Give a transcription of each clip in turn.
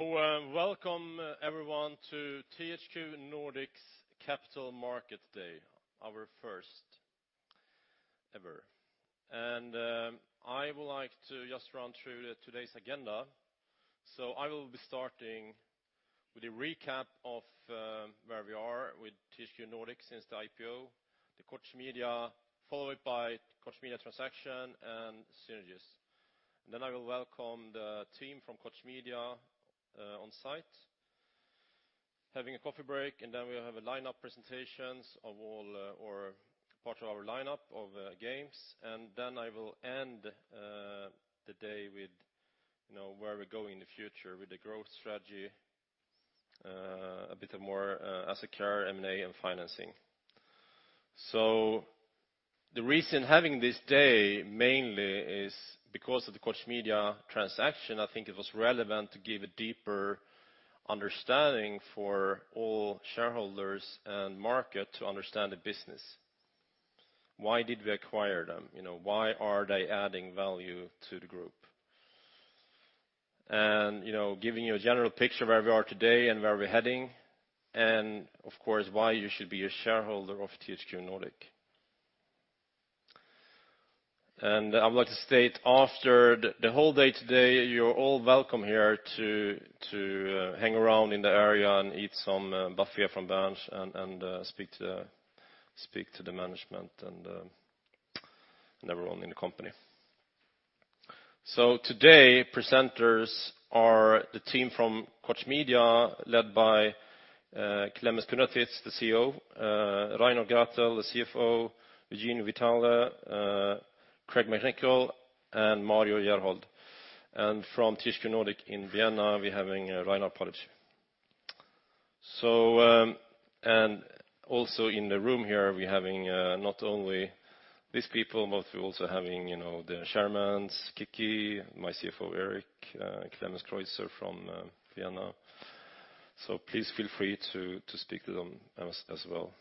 Welcome everyone to THQ Nordic's Capital Market Day, our first ever. I would like to just run through today's agenda. I will be starting with a recap of where we are with THQ Nordic since the IPO, followed by Koch Media transaction and synergies. I will welcome the team from Koch Media on site, having a coffee break, and we'll have a lineup presentations of part of our lineup of games. I will end the day with where we're going in the future with the growth strategy, a bit more asset care, M&A, and financing. The reason having this day mainly is because of the Koch Media transaction. I think it was relevant to give a deeper understanding for all shareholders and market to understand the business. Why did we acquire them? Why are they adding value to the group? Giving you a general picture of where we are today and where we're heading, and of course, why you should be a shareholder of THQ Nordic. I would like to state after the whole day today, you're all welcome here to hang around in the area and eat some buffet from lunch and speak to the management and everyone in the company. Today, presenters are the team from Koch Media, led by Klemens Kundratitz, the CEO, Reinhard Gratl, the CFO, Eugenio Vitale, Craig McNicol, and Mario Gerhold. From THQ Nordic in Vienna, we're having Reinhard Pollice. Also in the room here, we're having not only these people, but we're also having the chairmen, Kiki, my CFO, Erik, Klemens Kreuzer from Vienna. Please feel free to speak to them as well.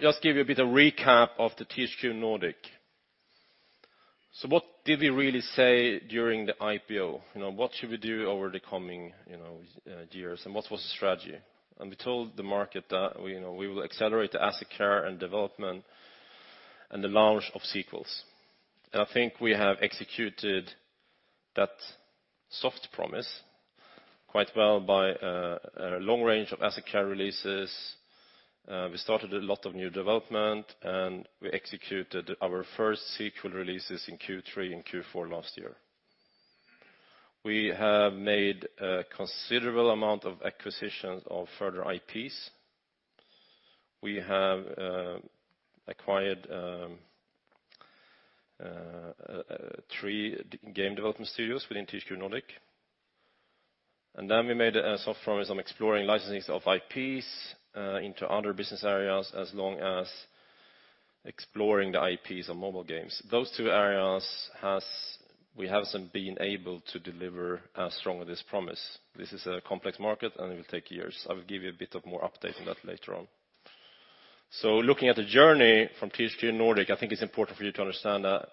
Just give you a bit of recap of the THQ Nordic. What did we really say during the IPO? What should we do over the coming years and what was the strategy? We told the market that we will accelerate the asset care and development and the launch of sequels. I think we have executed that soft promise quite well by a long range of asset care releases. We started a lot of new development, and we executed our first sequel releases in Q3 and Q4 last year. We have made a considerable amount of acquisitions of further IPs. We have acquired three game development studios within THQ Nordic. We made a soft promise on exploring licensing of IPs into other business areas as long as exploring the IPs on mobile games. Those two areas we haven't been able to deliver as strong with this promise. This is a complex market, and it will take years. I will give you a bit of more update on that later on. Looking at the journey from THQ Nordic, I think it's important for you to understand that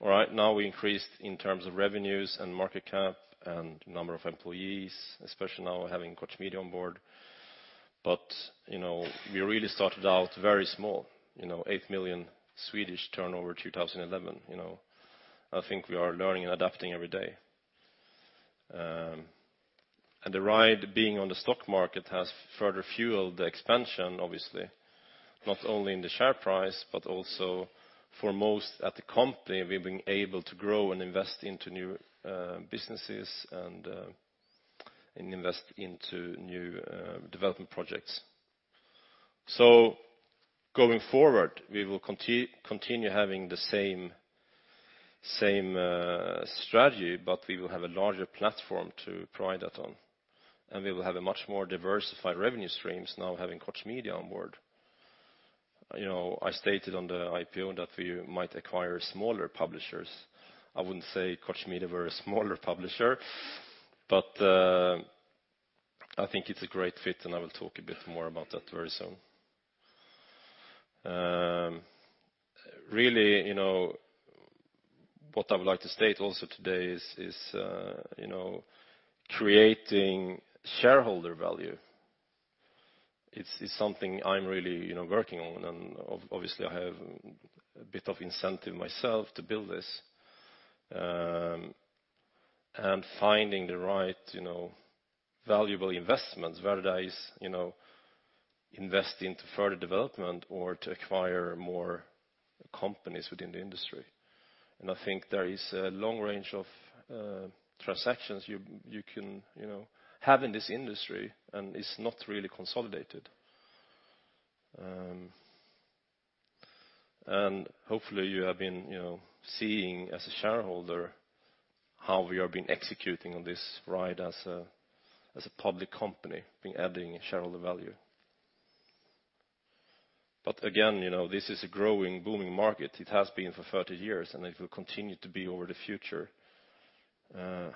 right now we increased in terms of revenues and market cap and number of employees, especially now having Koch Media on board. We really started out very small, 8 million turnover 2011. I think we are learning and adapting every day. The ride being on the stock market has further fueled the expansion, obviously, not only in the share price, but also for most at the company, we've been able to grow and invest into new businesses and invest into new development projects. Going forward, we will continue having the same strategy, we will have a larger platform to provide that on. We will have a much more diversified revenue streams now having Koch Media on board. I stated on the IPO that we might acquire smaller publishers. I wouldn't say Koch Media were a smaller publisher, but I think it's a great fit, and I will talk a bit more about that very soon. Really, what I would like to state also today is creating shareholder value. It's something I'm really working on, and obviously I have a bit of incentive myself to build this. Finding the right valuable investments, whether that is invest into further development or to acquire more companies within the industry. I think there is a long range of transactions you can have in this industry, and it's not really consolidated. Hopefully you have been seeing as a shareholder how we have been executing on this ride as a public company, been adding shareholder value. Again, this is a growing, booming market. It has been for 30 years, and it will continue to be over the future.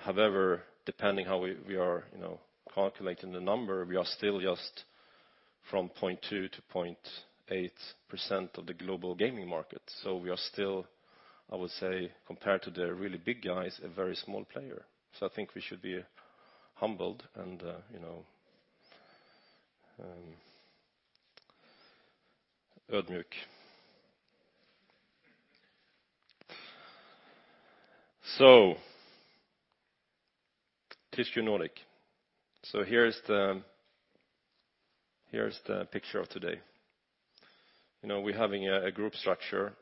However, depending how we are calculating the number, we are still just from 0.2%-0.8% of the global gaming market. We are still, I would say, compared to the really big guys, a very small player. I think we should be humbled. THQ Nordic. Here is the picture of today. We're having a group structure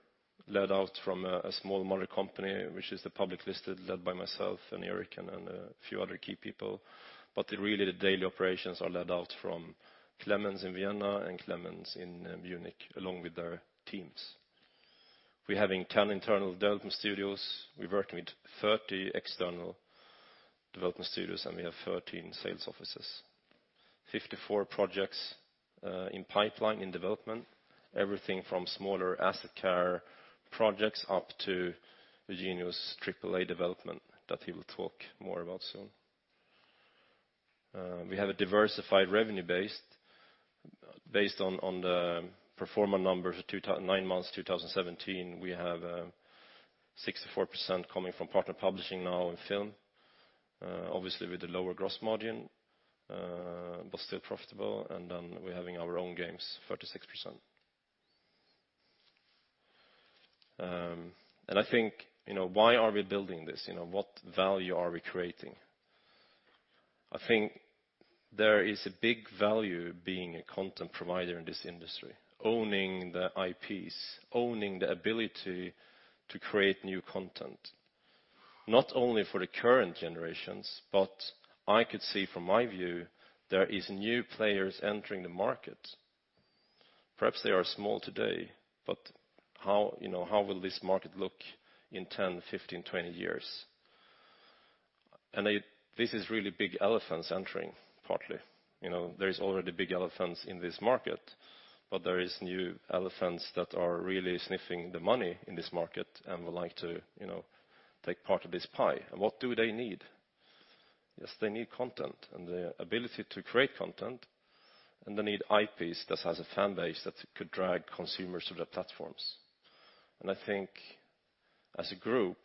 led out from a small mother company, which is the public listed, led by myself and Erik and a few other key people. Really the daily operations are led out from Klemens in Vienna and Klemens in Munich along with their teams. We're having 10 internal development studios. We're working with 30 external development studios, and we have 13 sales offices. 54 projects in pipeline in development, everything from smaller asset care projects up to the Eugenio's AAA development that he will talk more about soon. We have a diversified revenue base. Based on the pro forma numbers nine months 2017, we have 64% coming from partner publishing now in film. Obviously, with a lower gross margin, but still profitable. We're having our own games, 36%. I think why are we building this? What value are we creating? I think there is a big value being a content provider in this industry, owning the IPs, owning the ability to create new content. Not only for the current generations, but I could see from my view, there is new players entering the market. Perhaps they are small today, but how will this market look in 10, 15, 20 years? This is really big elephants entering, partly. There is already big elephants in this market, but there is new elephants that are really sniffing the money in this market and would like to take part of this pie. What do they need? Yes, they need content and the ability to create content, and they need IPs that has a fan base that could drag consumers to their platforms. I think as a group,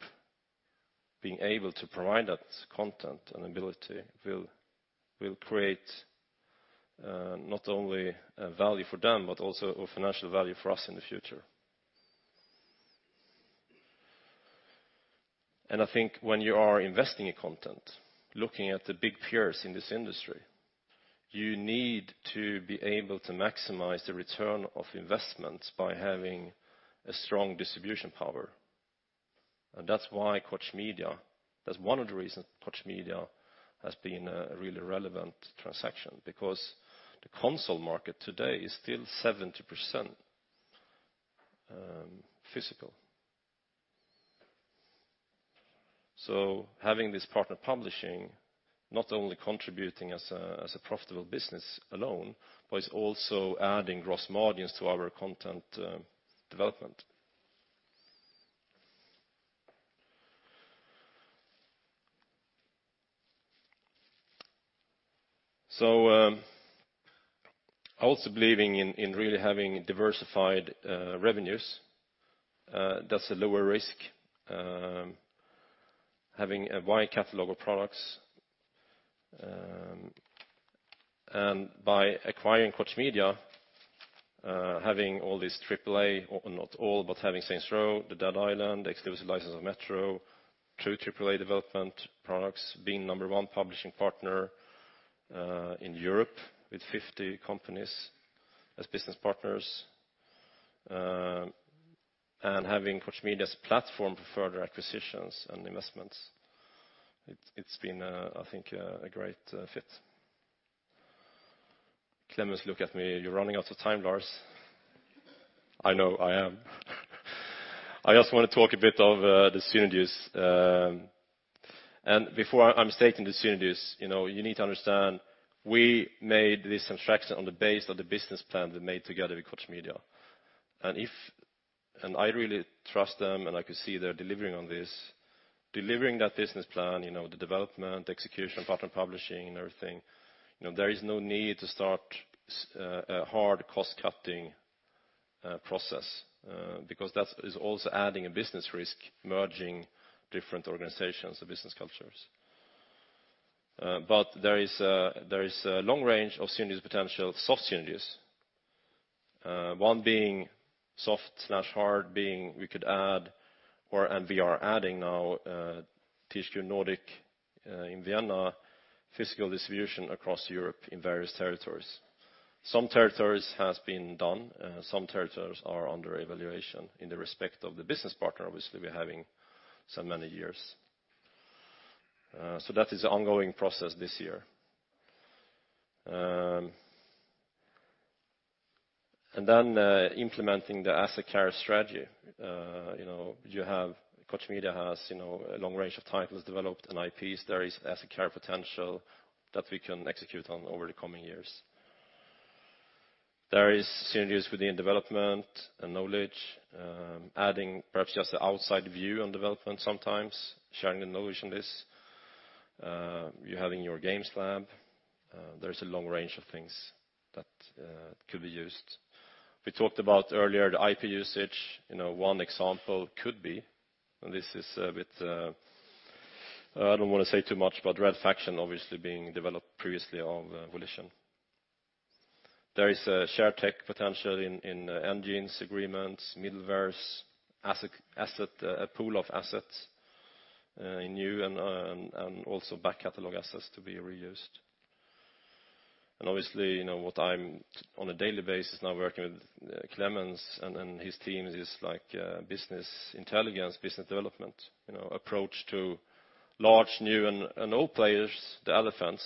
being able to provide that content and ability will create not only value for them, but also a financial value for us in the future. I think when you are investing in content, looking at the big peers in this industry, you need to be able to maximize the return of investment by having a strong distribution power. That's one of the reasons Koch Media has been a really relevant transaction, because the console market today is still 70% physical. Having this partner publishing, not only contributing as a profitable business alone, but it's also adding gross margins to our content development. Also believing in really having diversified revenues. That's a lower risk. Having a wide catalog of products. By acquiring Koch Media, having all this AAA, not all, but having "Saints Row," the "Dead Island," exclusive license of "Metro," true AAA development products, being number one publishing partner in Europe with 50 companies as business partners, and having Koch Media's platform for further acquisitions and investments. It's been, I think a great fit. Klemens look at me, "You're running out of time, Lars." I know I am. I also want to talk a bit of the synergies. Before I'm stating the synergies, you need to understand, we made this transaction on the base of the business plan we made together with Koch Media. I really trust them, and I could see they're delivering on this. Delivering that business plan, the development, execution, partner publishing and everything. There is no need to start a hard cost-cutting process, because that is also adding a business risk, merging different organizations or business cultures. There is a long range of synergies potential, soft synergies. One being soft/hard being we could add, and we are adding now, THQ Nordic in Vienna, physical distribution across Europe in various territories. Some territories has been done, some territories are under evaluation in the respect of the business partner, obviously, we're having so many years. That is an ongoing process this year. Then implementing the asset care strategy. Koch Media has a long range of titles developed and IPs. There is asset care potential that we can execute on over the coming years. There is synergies within development and knowledge, adding perhaps just an outside view on development sometimes, sharing the knowledge on this. You have in your Games Lab. There's a long range of things that could be used. We talked about earlier the IP usage. One example could be, this is a bit. I don't want to say too much, but Red Faction obviously being developed previously on Volition. There is a share tech potential in engines, agreements, middlewares, a pool of assets in you, and also back catalog assets to be reused. Obviously, what I'm on a daily basis now working with Klemens and his team is business intelligence, business development approach to large, new and old players, the elephants,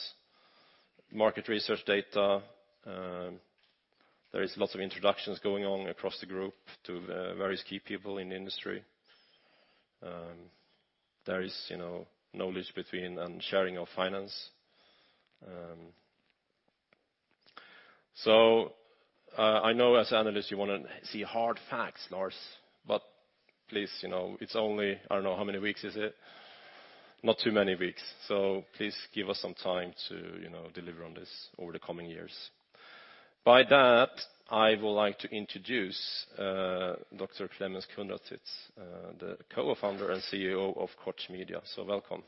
market research data. There is lots of introductions going on across the group to various key people in the industry. There is knowledge between and sharing of finance. I know as analysts, you want to see hard facts, Lars. Please, it's only, I don't know how many weeks is it? Not too many weeks. Please give us some time to deliver on this over the coming years. By that, I would like to introduce Dr. Klemens Kundratitz, the Co-founder and CEO of Koch Media. Welcome.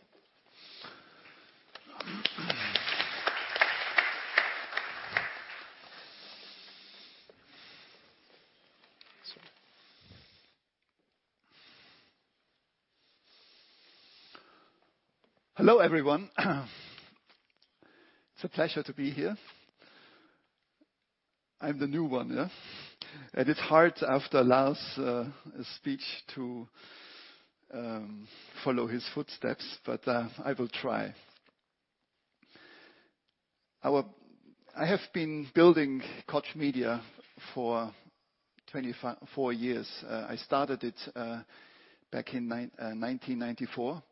Hello, everyone. It's a pleasure to be here. I'm the new one, yeah? It's hard after Lars' speech to follow his footsteps, but I will try. I have been building Koch Media for 24 years. I started it back in 1994, and I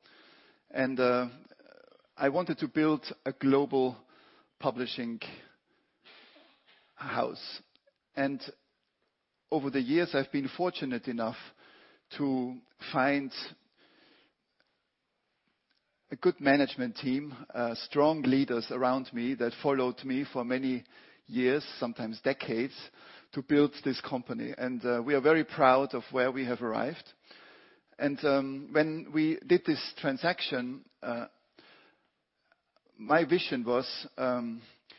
wanted to build a global publishing house. Over the years, I've been fortunate enough to find a good management team, strong leaders around me that followed me for many years, sometimes decades, to build this company. We are very proud of where we have arrived. When we did this transaction, my vision was,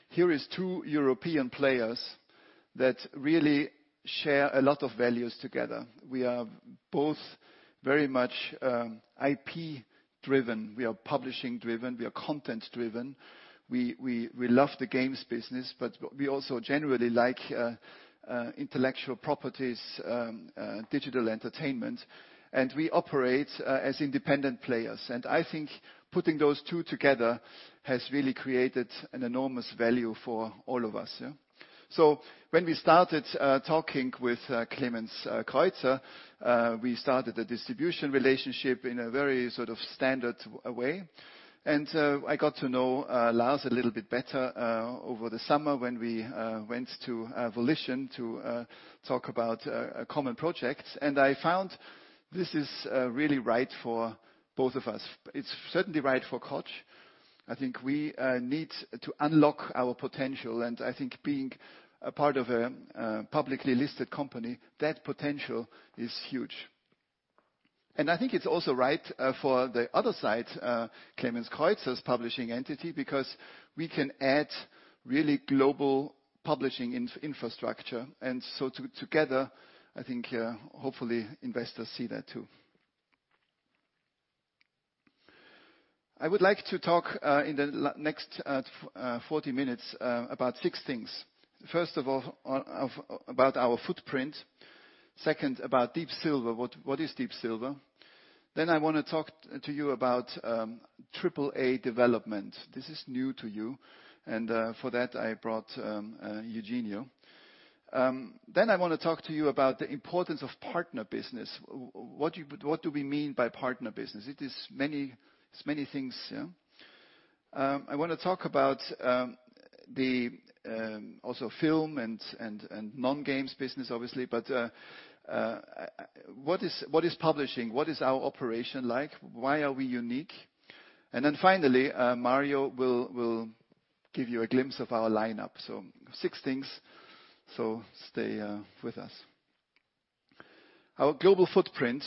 here is two European players that really share a lot of values together. We are both very much IP-driven. We are publishing-driven. We are content-driven. We love the games business, but we also generally like intellectual properties, digital entertainment, and we operate as independent players. I think putting those two together has really created an enormous value for all of us. When we started talking with Klemens Kreuzer, we started a distribution relationship in a very standard way. I got to know Lars a little bit better over the summer when we went to Volition to talk about a common project. I found this is really right for both of us. It's certainly right for Koch. I think we need to unlock our potential, and I think being a part of a publicly listed company, that potential is huge. I think it's also right for the other side, Klemens Kreuzer's publishing entity, because we can add really global publishing infrastructure. Together, I think hopefully investors see that too. I would like to talk in the next 40 minutes about six things. First of all, about our footprint. Second, about Deep Silver. What is Deep Silver? I want to talk to you about AAA development. This is new to you, and for that, I brought Eugenio. I want to talk to you about the importance of partner business. What do we mean by partner business? It is many things. I want to talk about also film and non-games business, obviously. What is publishing? What is our operation like? Why are we unique? Finally, Mario will give you a glimpse of our lineup. Six things. Stay with us. Our global footprint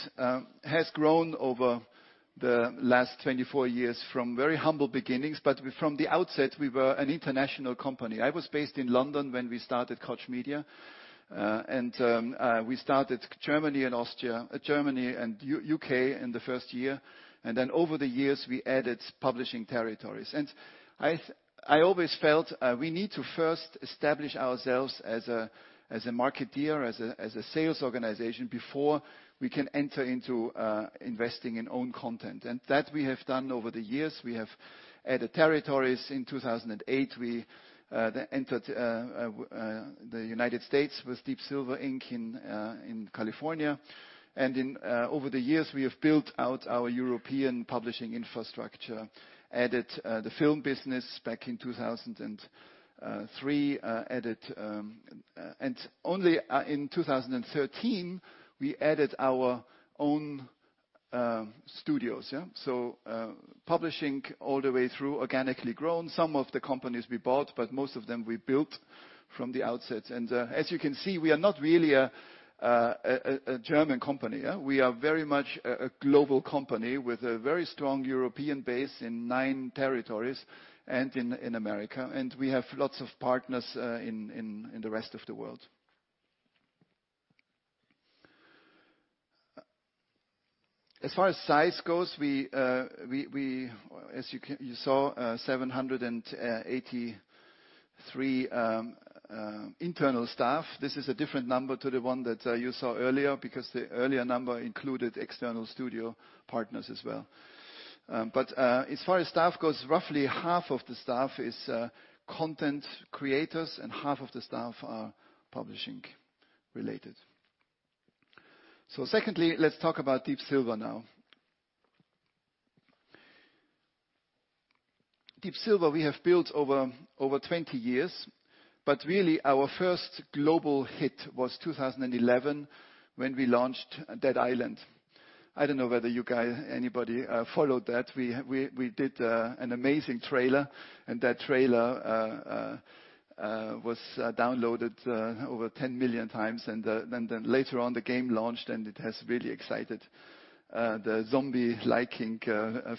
has grown over the last 24 years from very humble beginnings, but from the outset, we were an international company. I was based in London when we started Koch Media. We started Germany and U.K. in the first year. Over the years, we added publishing territories. I always felt we need to first establish ourselves as a marketeer, as a sales organization before we can enter into investing in own content. That we have done over the years. We have added territories. In 2008, we entered the U.S. with Deep Silver, Inc. in California. Over the years, we have built out our European publishing infrastructure, added the film business back in 2003. Only in 2013, we added our own studios. Publishing all the way through, organically grown. Some of the companies we bought, but most of them we built from the outset. As you can see, we are not really a German company. We are very much a global company with a very strong European base in nine territories and in the U.S. We have lots of partners in the rest of the world. As far as size goes, as you saw, 783 internal staff. This is a different number to the one that you saw earlier, because the earlier number included external studio partners as well. As far as staff goes, roughly half of the staff is content creators, and half of the staff are publishing related. Secondly, let's talk about Deep Silver now. Deep Silver, we have built over 20 years, but really our first global hit was 2011 when we launched Dead Island. I don't know whether you guys, anybody followed that. We did an amazing trailer, and that trailer was downloaded over 10 million times. Later on, the game launched, and it has really excited the zombie liking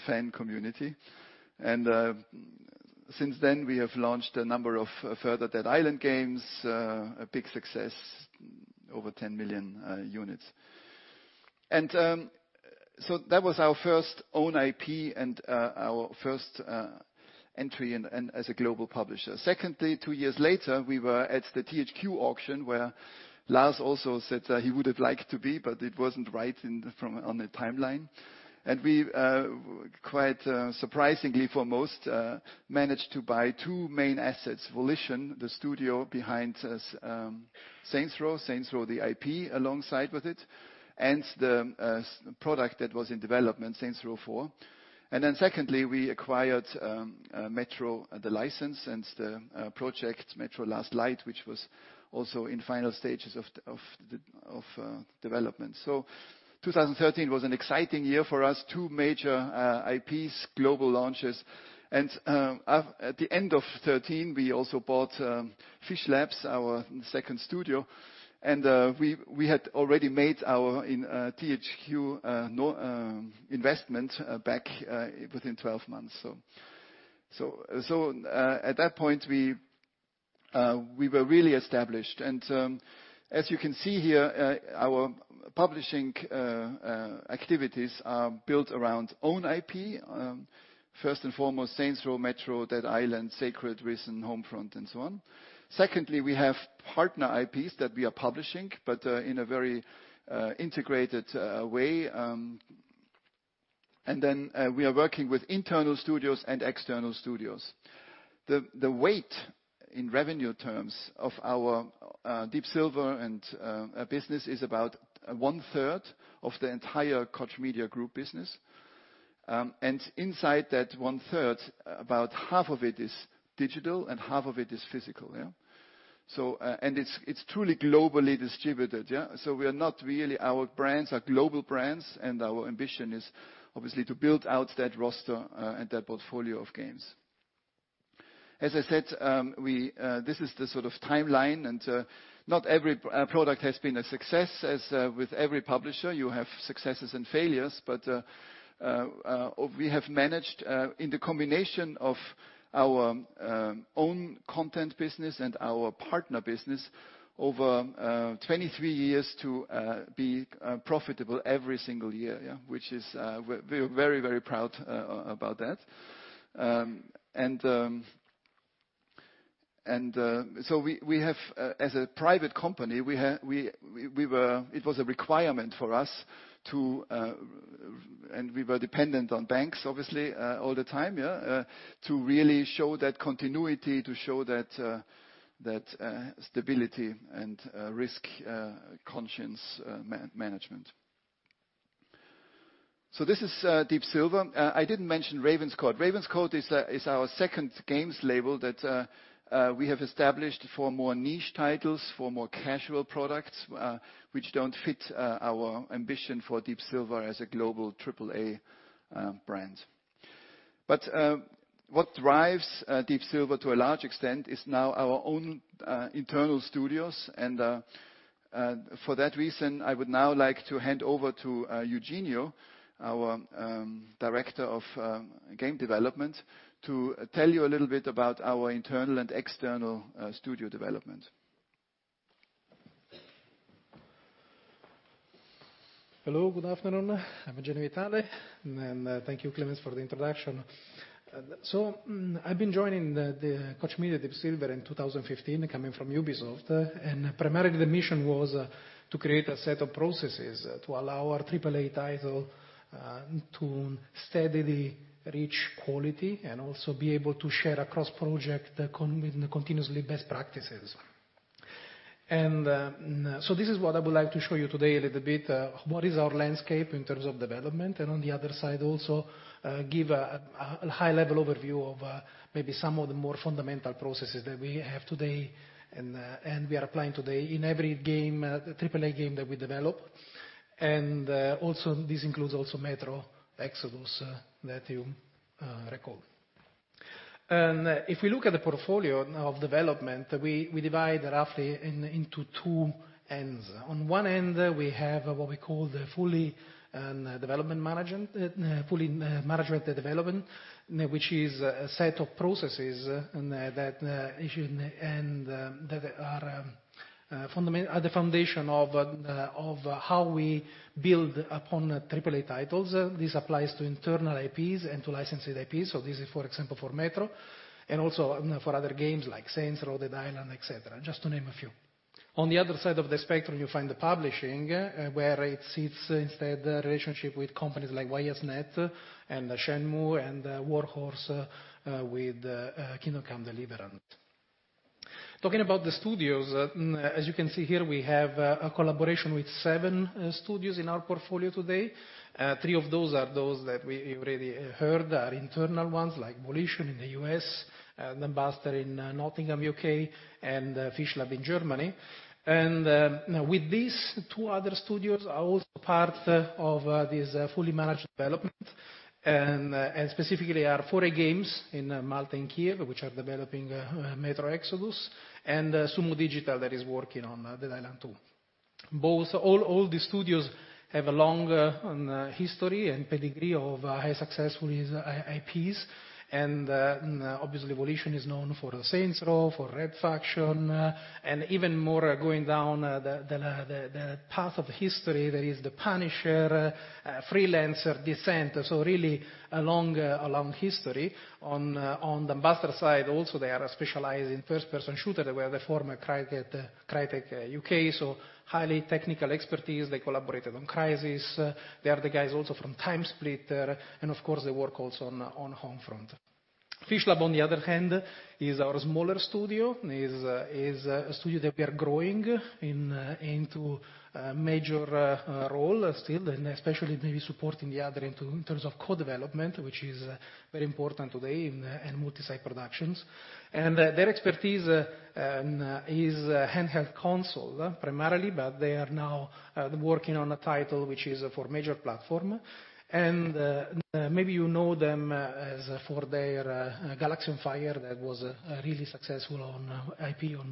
fan community. Since then we have launched a number of further Dead Island games, a big success, over 10 million units. That was our first own IP and our first entry as a global publisher. Secondly, two years later, we were at the THQ auction, where Lars also said he would have liked to be, but it wasn't right on the timeline. We quite surprisingly for most, managed to buy two main assets, Volition, the studio behind Saints Row, Saints Row the IP alongside with it, and the product that was in development Saints Row IV. Secondly, we acquired Metro, the license and the project Metro: Last Light, which was also in final stages of development. 2013 was an exciting year for us, two major IPs, global launches. At the end of 2013, we also bought Fishlabs, our second studio, and we had already made our THQ investment back within 12 months. At that point, we were really established. As you can see here, our publishing activities are built around own IP. First and foremost, Saints Row, Metro, Dead Island, Sacred, Risen, Homefront, and so on. Secondly, we have partner IPs that we are publishing, but in a very integrated way. Then we are working with internal studios and external studios. The weight in revenue terms of our Deep Silver business is about one third of the entire Koch Media Group business. Inside that one third, about half of it is digital and half of it is physical. It's truly globally distributed. Our brands are global brands, and our ambition is obviously to build out that roster and that portfolio of games. As I said, this is the sort of timeline, and not every product has been a success. As with every publisher, you have successes and failures, but we have managed in the combination of our own content business and our partner business over 23 years to be profitable every single year. We're very proud about that. As a private company it was a requirement for us, and we were dependent on banks, obviously, all the time to really show that continuity, to show that stability and risk conscience management. This is Deep Silver. I didn't mention Ravenscourt. Ravenscourt is our second games label that we have established for more niche titles, for more casual products which don't fit our ambition for Deep Silver as a global AAA brand. What drives Deep Silver to a large extent is now our own internal studios. For that reason, I would now like to hand over to Eugenio, our Director of Game Development, to tell you a little bit about our internal and external studio development. Hello, good afternoon. I'm Eugenio Vitale, thank you Klemens for the introduction. I've been joining Koch Media, Deep Silver in 2015, coming from Ubisoft. Primarily the mission was to create a set of processes to allow our AAA title to steadily reach quality and also be able to share across projects continuously best practices. This is what I would like to show you today a little bit, what is our landscape in terms of development, also give a high-level overview of maybe some of the more fundamental processes that we have today and we are applying today in every AAA game that we develop. This includes also Metro Exodus that you recall. If we look at the portfolio of development, we divide roughly into two ends. On one end, we have what we call the fully managed development, which is a set of processes that are the foundation of how we build upon AAA titles. This applies to internal IPs and to licensed IPs. This is, for example, for Metro also for other games like Saints Row, Dead Island, etc., just to name a few. On the other side of the spectrum, you find the publishing where it sits instead the relationship with companies like Ys Net, Shenmue, and Warhorse with Kingdom Come: Deliverance. Talking about the studios, as you can see here, we have a collaboration with 7 studios in our portfolio today. 3 of those are those that we already heard are internal ones like Volition in the U.S., Dambuster in Nottingham, U.K., and Fishlabs in Germany. With these, 2 other studios are also part of this fully managed development, specifically are 4A Games in Malta and Kyiv, which are developing Metro Exodus, and Sumo Digital that is working on Dead Island 2. All the studios have a long history and pedigree of high successful IPs. Obviously, Volition is known for the Saints Row, for Red Faction, even more going down the path of history, there is The Punisher, Freelancer, Descent. Really a long history. On the Dambuster side also, they are specialized in first-person shooter. They were the former Crytek UK, highly technical expertise. They collaborated on "Crysis." They are the guys also from "TimeSplitters," Of course, they work also on "Homefront." Fishlabs, on the other hand, is our smaller studio, is a studio that we are growing into a major role still, especially maybe supporting the other in terms of co-development, which is very important today in multi-site productions. Their expertise is handheld console primarily, but they are now working on a title which is for major platform. Maybe you know them as for their "Galaxy on Fire" that was really successful on IP on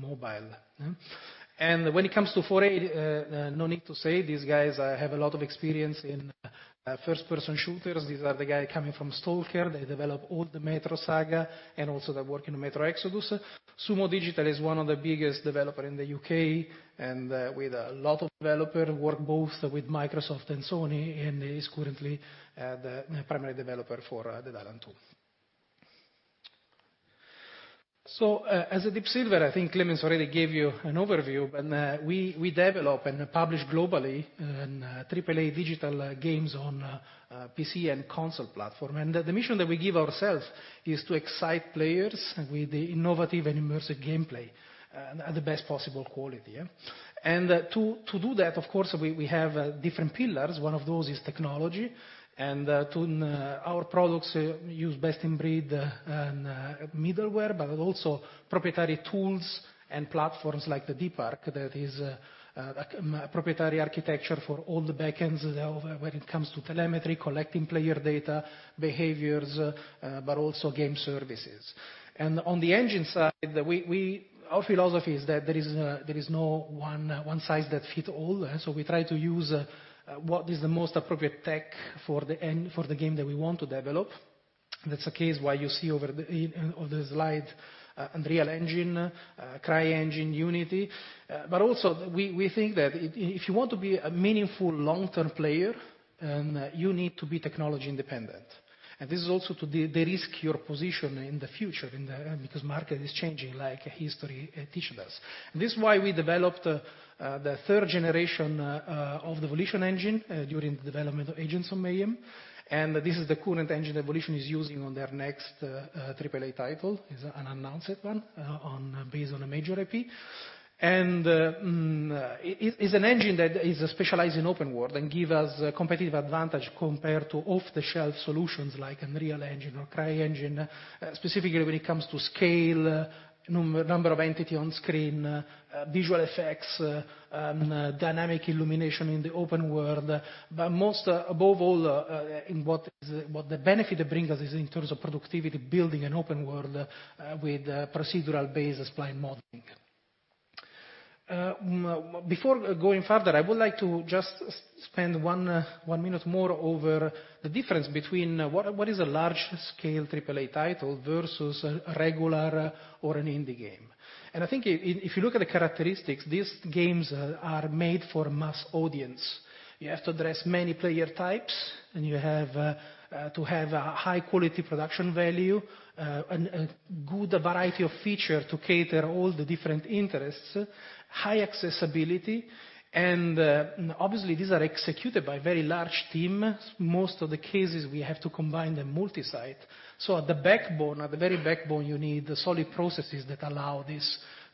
mobile. When it comes to 4A, no need to say, these guys have a lot of experience in first-person shooters. These are the guys coming from "S.T.A.L.K.E.R." They developed all the "Metro" saga. Also, they're working on "Metro Exodus." Sumo Digital is one of the biggest developer in the U.K., with a lot of developer, work both with Microsoft and Sony. Is currently the primary developer for "Dead Island 2." As Deep Silver, I think Klemens already gave you an overview. We develop and publish globally AAA digital games on PC and console platform. The mission that we give ourselves is to excite players with innovative and immersive gameplay at the best possible quality. To do that, of course, we have different pillars. One of those is technology. Our products use best-in-breed and middleware, also proprietary tools and platforms like the Deep Ark that is a proprietary architecture for all the back ends when it comes to telemetry, collecting player data, behaviors, but also game services. On the engine side, our philosophy is that there is no one size that fit all. We try to use what is the most appropriate tech for the game that we want to develop. That's the case why you see over the slide Unreal Engine, CryEngine, Unity. Also, we think that if you want to be a meaningful long-term player, you need to be technology independent. This is also to de-risk your position in the future, because market is changing like history teach us. This is why we developed the third generation of the Volition engine during the development of "Agents of Mayhem." This is the current engine that Volition is using on their next AAA title. It's an unannounced one based on a major IP. It's an engine that is specialized in open world and give us competitive advantage compared to off-the-shelf solutions like Unreal Engine or CryEngine, specifically when it comes to scale, number of entity on screen, visual effects, dynamic illumination in the open world. Most above all, the benefit it brings us is in terms of productivity, building an open world with procedural-based spline modeling. Before going further, I would like to just spend one minute more over the difference between what is a large-scale AAA title versus a regular or an indie game. I think if you look at the characteristics, these games are made for mass audience. You have to address many player types, and you have to have a high-quality production value, a good variety of features to cater all the different interests, high accessibility, and obviously, these are executed by a very large team. Most of the cases, we have to combine them multi-site. At the backbone, at the very backbone, you need solid processes that allow this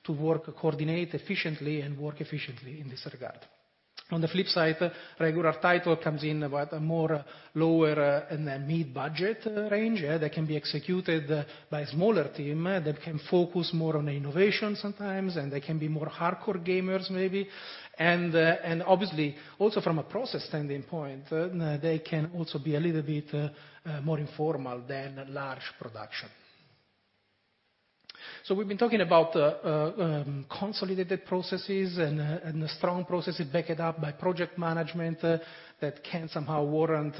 to work, coordinate efficiently, and work efficiently in this regard. On the flip side, regular titles come in about a more lower and a mid-budget range that can be executed by a smaller team, that can focus more on innovation sometimes, and they can be more hardcore gamers maybe. Obviously, also from a process standpoint, they can also be a little bit more informal than a large production. We've been talking about the consolidated processes and the strong processes backed up by project management that can somehow warrant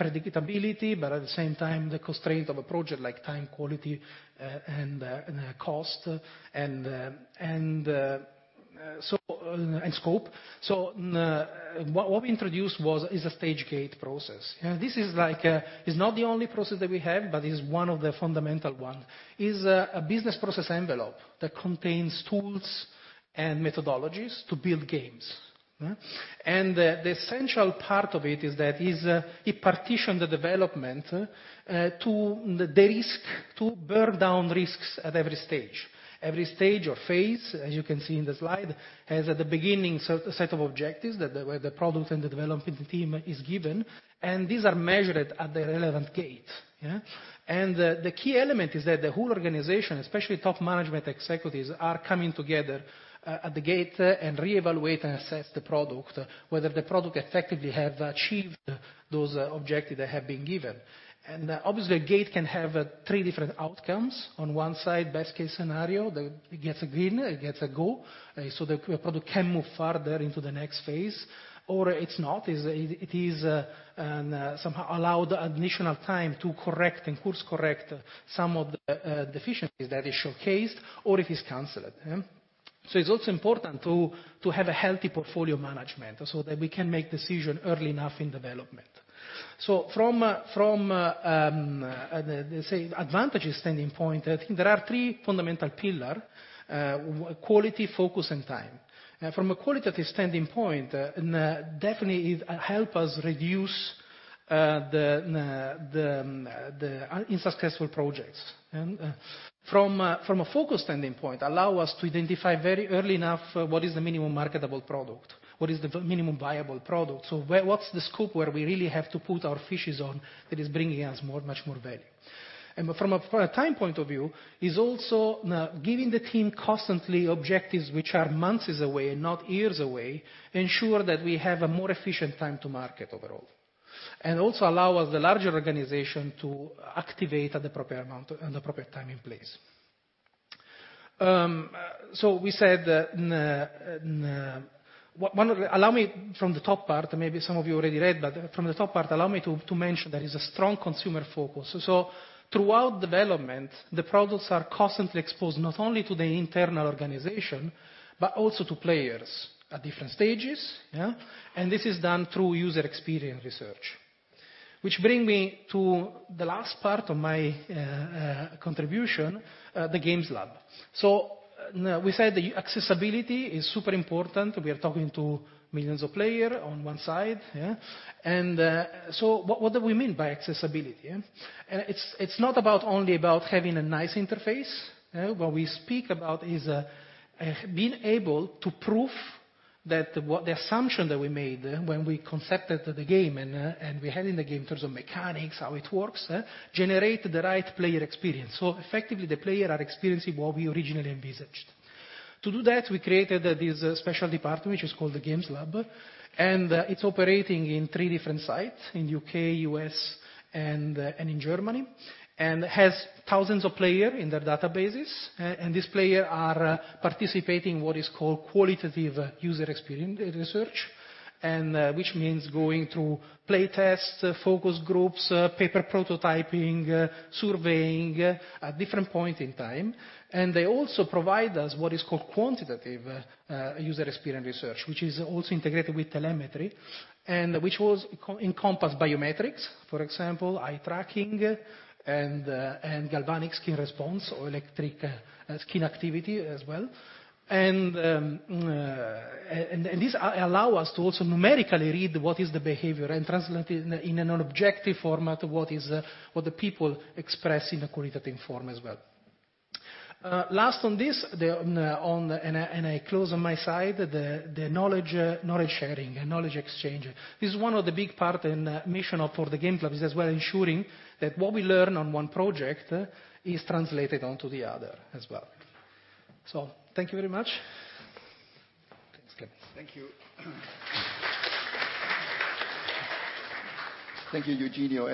predictability, but at the same time, the constraint of a project like time, quality, cost, and scope. What we introduced is a stage gate process. This is not the only process that we have, but is one of the fundamental ones. It is a business process envelope that contains tools and methodologies to build games. The essential part of it is that it partitions the development to the risk, to burn down risks at every stage. Every stage or phase, as you can see in the slide, has at the beginning a set of objectives that the product and the development team is given. These are measured at the relevant gate. The key element is that the whole organization, especially top management executives, are coming together at the gate and reevaluate and assess the product, whether the product effectively has achieved those objectives that have been given. Obviously, a gate can have three different outcomes. On one side, best case scenario, it gets a green, it gets a go, so the product can move further into the next phase. Or it is not, it is somehow allowed additional time to correct and course-correct some of the deficiencies that are showcased, or it is canceled. It is also important to have a healthy portfolio management so that we can make decisions early enough in development. From the advantage standpoint, I think there are three fundamental pillars: quality, focus, and time. From a quality standpoint, it definitely helps us reduce the unsuccessful projects. From a focus standpoint, it allows us to identify very early enough what is the minimum marketable product, what is the minimum viable product. What is the scope where we really have to put our focus on that is bringing us much more value. From a time point of view, it is also giving the team constantly objectives which are months away, not years away, to ensure that we have a more efficient time to market overall. It also allows us, the larger organization, to activate at the proper amount and the proper time and place. Allow me from the top part, maybe some of you already read, but from the top part, allow me to mention there is a strong consumer focus. Throughout development, the products are constantly exposed not only to the internal organization, but also to players at different stages. This is done through user experience research. Which brings me to the last part of my contribution, the Games Lab. We said accessibility is super important. We are talking to millions of players on one side. What do we mean by accessibility? It is not only about having a nice interface. What we speak about is being able to prove that the assumption that we made when we concepted the game and we had in the game in terms of mechanics, how it works, generates the right player experience. Effectively, the players are experiencing what we originally envisaged. To do that, we created this special department, which is called the Games Lab, and it is operating in three different sites, in the U.K., U.S., and in Germany. It has thousands of players in their databases. These players are participating in what is called qualitative user experience research, which means going through play tests, focus groups, paper prototyping, surveying at different points in time. They also provide us what is called quantitative user experience research, which is also integrated with telemetry, and which encompasses biometrics, for example, eye tracking and galvanic skin response or electric skin activity as well. This allows us to also numerically read what is the behavior and translate in an objective format what the people express in a qualitative form as well. Last on this, I close on my side, the knowledge sharing and knowledge exchange. This is one of the big parts and mission for the Games Lab is as well ensuring that what we learn on one project is translated onto the other as well. Thank you very much. Thanks, Eugenio. Thank you, Eugenio.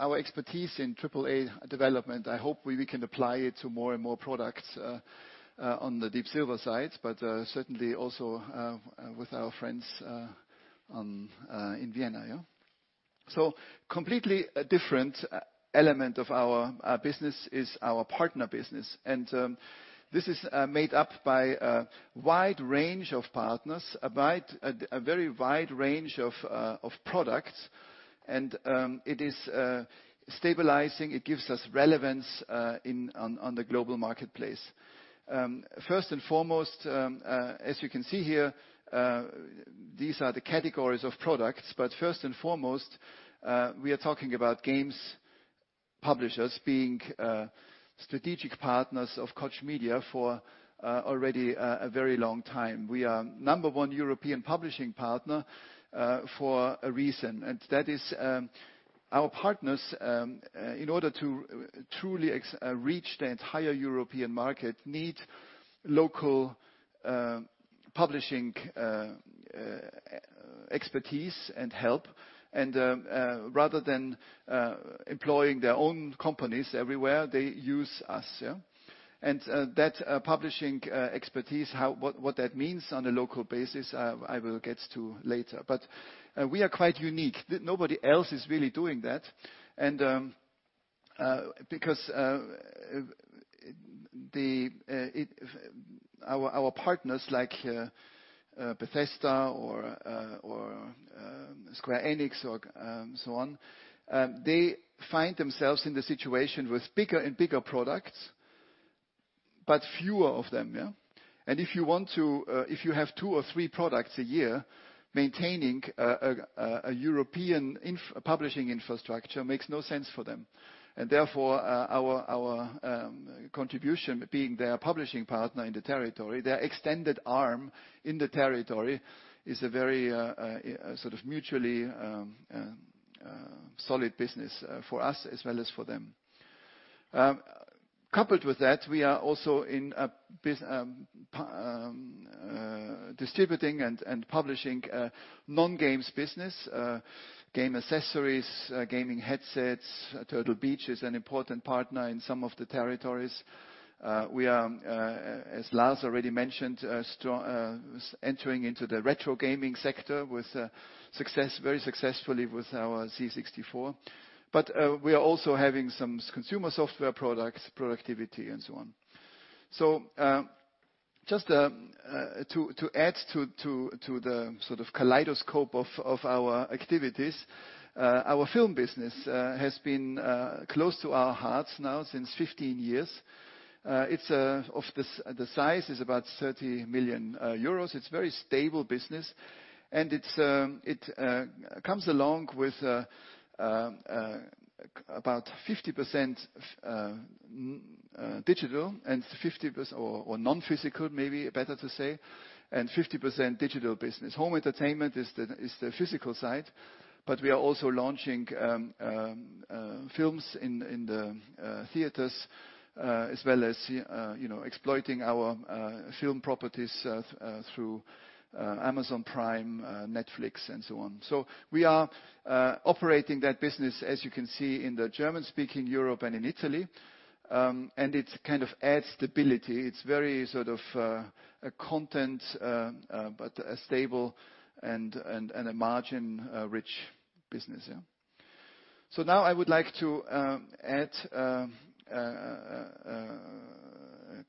Our expertise in AAA development, I hope we can apply it to more and more products on the Deep Silver side, but certainly also with our friends in Vienna. Completely different element of our business is our partner business. This is made up by a wide range of partners, a very wide range of products. It is stabilizing. It gives us relevance on the global marketplace. First and foremost, as you can see here, these are the categories of products, but first and foremost, we are talking about games publishers being strategic partners of Koch Media for already a very long time. We are number one European publishing partner for a reason. That is our partners, in order to truly reach the entire European market, need local publishing expertise and help. Rather than employing their own companies everywhere, they use us. That publishing expertise, what that means on a local basis, I will get to later. We are quite unique. Nobody else is really doing that. Because our partners like Bethesda or Square Enix or so on, they find themselves in the situation with bigger and bigger products, but fewer of them. If you have 2 or 3 products a year, maintaining a European publishing infrastructure makes no sense for them. Therefore, our contribution being their publishing partner in the territory, their extended arm in the territory is a very mutually solid business for us as well as for them. Coupled with that, we are also in distributing and publishing non-games business, game accessories, gaming headsets. Turtle Beach is an important partner in some of the territories. We are, as Lars already mentioned entering into the retro gaming sector very successfully with our C64. We are also having some consumer software products, productivity and so on. Just to add to the kaleidoscope of our activities, our film business has been close to our hearts now since 15 years. The size is about 30 million euros. It is very stable business, and it comes along with about 50% digital and 50% or non-physical, maybe better to say, and 50% digital business. Home entertainment is the physical side, but we are also launching films in the theaters as well as exploiting our film properties through Amazon Prime, Netflix and so on. We are operating that business, as you can see in the German-speaking Europe and in Italy. It kind of adds stability. It is very sort of a content, but a stable and a margin-rich business. Now I would like to add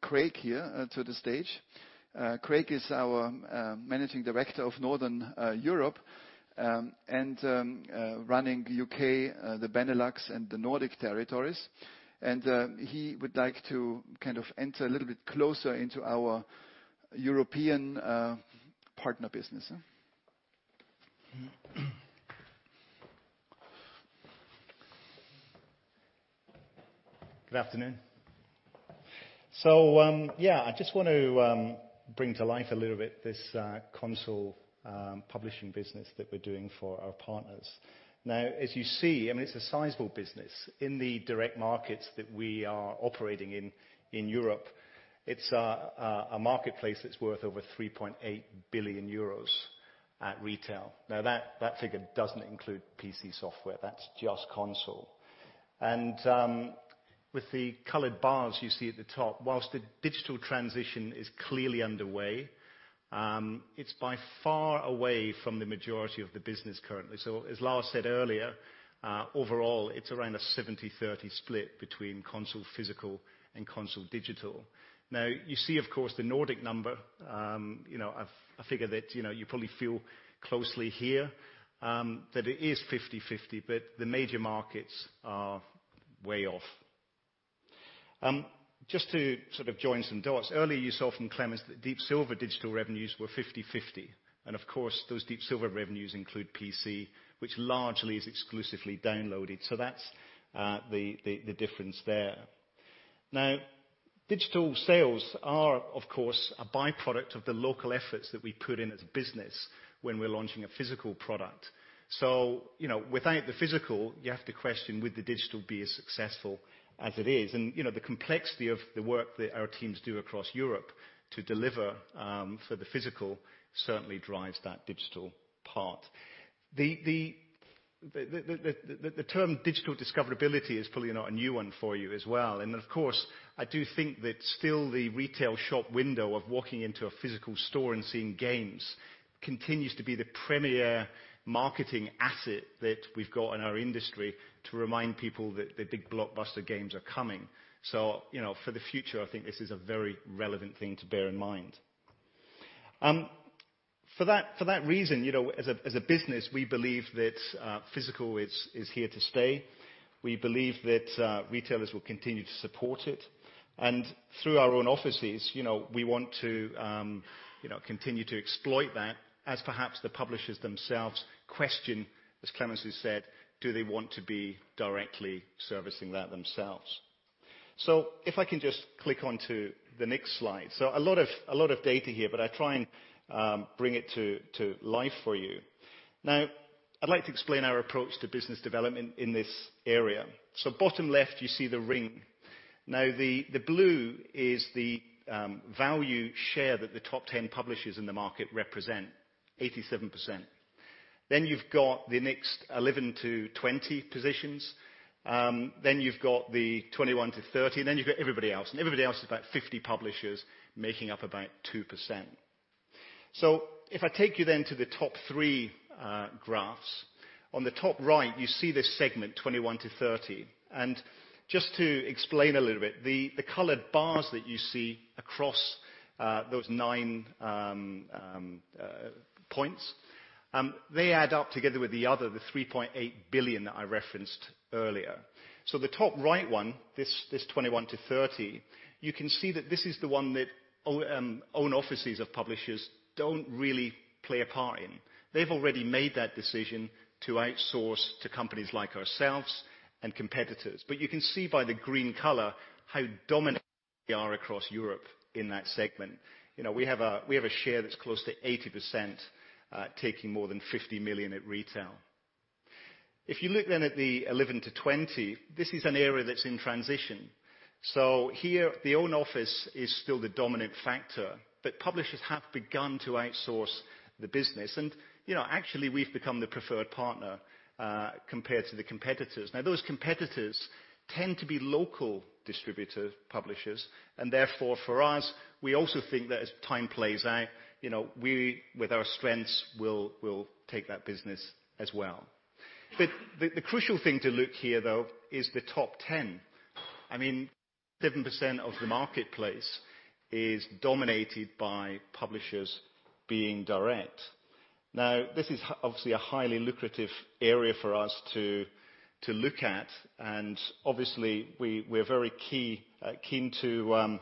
Craig here to the stage. Craig is our managing director of Northern Europe and running U.K., the Benelux and the Nordic territories. He would like to enter a little bit closer into our European partner business. Good afternoon. I just want to bring to life a little bit this console publishing business that we're doing for our partners. As you see, it is a sizable business in the direct markets that we are operating in Europe. It is a marketplace that is worth over 3.8 billion euros at retail. That figure doesn't include PC software, that is just console. With the colored bars you see at the top, whilst the digital transition is clearly underway, it is by far away from the majority of the business currently. As Lars said earlier, overall it is around a 70/30 split between console physical and console digital. You see, of course, the Nordic number, a figure that you probably feel closely here, that it is 50/50, but the major markets are way off. Just to sort of join some dots. Earlier you saw from Klemens that Deep Silver digital revenues were 50/50. Of course, those Deep Silver revenues include PC, which largely is exclusively downloaded. That is the difference there. Digital sales are, of course, a byproduct of the local efforts that we put in as a business when we're launching a physical product. Without the physical, you have to question, would the digital be as successful as it is? The complexity of the work that our teams do across Europe to deliver for the physical certainly drives that digital part. The term digital discoverability is probably not a new one for you as well. Of course, I do think that still the retail shop window of walking into a physical store and seeing games continues to be the premier marketing asset that we've got in our industry to remind people that the big blockbuster games are coming. For the future, I think this is a very relevant thing to bear in mind. For that reason, as a business, we believe that physical is here to stay. We believe that retailers will continue to support it. Through our own offices, we want to continue to exploit that as perhaps the publishers themselves question, as Klemens has said, do they want to be directly servicing that themselves? If I can just click onto the next slide. A lot of data here, but I try and bring it to life for you. I'd like to explain our approach to business development in this area. Bottom left, you see the ring. The blue is the value share that the top 10 publishers in the market represent, 87%. You've got the next 11 to 20 positions, then you've got the 21 to 30. You've got everybody else, and everybody else is about 50 publishers making up about 2%. If I take you then to the top three graphs. On the top right, you see this segment, 21 to 30. Just to explain a little bit, the colored bars that you see across those nine points, they add up together with the other, the 3.8 billion that I referenced earlier. The top right one, this 21 to 30, you can see that this is the one that own offices of publishers don't really play a part in. They've already made that decision to outsource to companies like ourselves and competitors. You can see by the green color how dominant we are across Europe in that segment. We have a share that's close to 80%, taking more than 50 million at retail. If you look then at the 11 to 20, this is an area that's in transition. Here, the own office is still the dominant factor, but publishers have begun to outsource the business. Actually, we've become the preferred partner, compared to the competitors. Those competitors tend to be local distributor publishers, and therefore for us, we also think that as time plays out, we, with our strengths, will take that business as well. The crucial thing to look here, though, is the top 10. 7% of the marketplace is dominated by publishers being direct. This is obviously a highly lucrative area for us to look at, and obviously, we're very keen to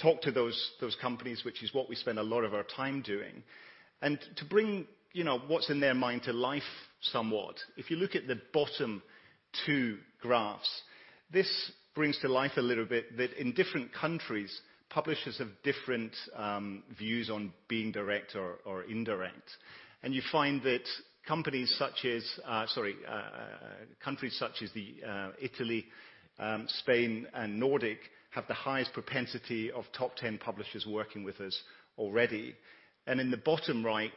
talk to those companies, which is what we spend a lot of our time doing. To bring what's in their mind to life somewhat, if you look at the bottom two graphs, this brings to life a little bit that in different countries, publishers have different views on being direct or indirect. You find that countries such as Italy, Spain, and Nordic have the highest propensity of top 10 publishers working with us already. In the bottom right,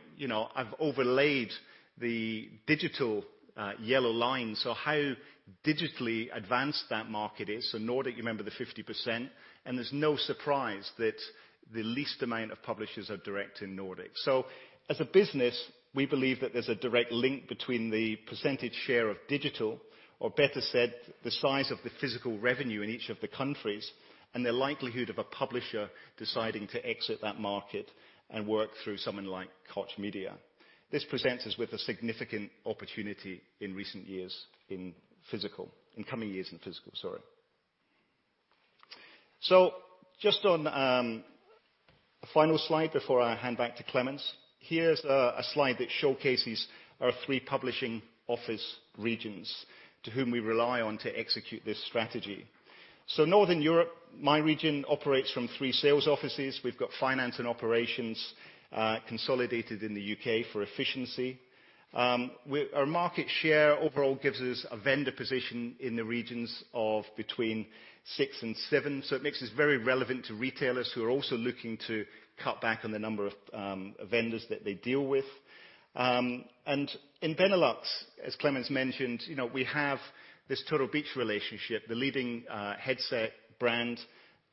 I've overlaid the digital yellow line. How digitally advanced that market is. Nordic, you remember the 50%, and there's no surprise that the least amount of publishers are direct in Nordic. As a business, we believe that there's a direct link between the % share of digital, or better said, the size of the physical revenue in each of the countries, and the likelihood of a publisher deciding to exit that market and work through someone like Koch Media. This presents us with a significant opportunity in coming years in physical. Just on a final slide before I hand back to Klemens. Here's a slide that showcases our three publishing office regions to whom we rely on to execute this strategy. Northern Europe, my region operates from three sales offices. We've got finance and operations consolidated in the U.K. for efficiency. Our market share overall gives us a vendor position in the regions of between six and seven, so it makes us very relevant to retailers who are also looking to cut back on the number of vendors that they deal with. In Benelux, as Clemens mentioned, we have this Turtle Beach relationship, the leading headset brand.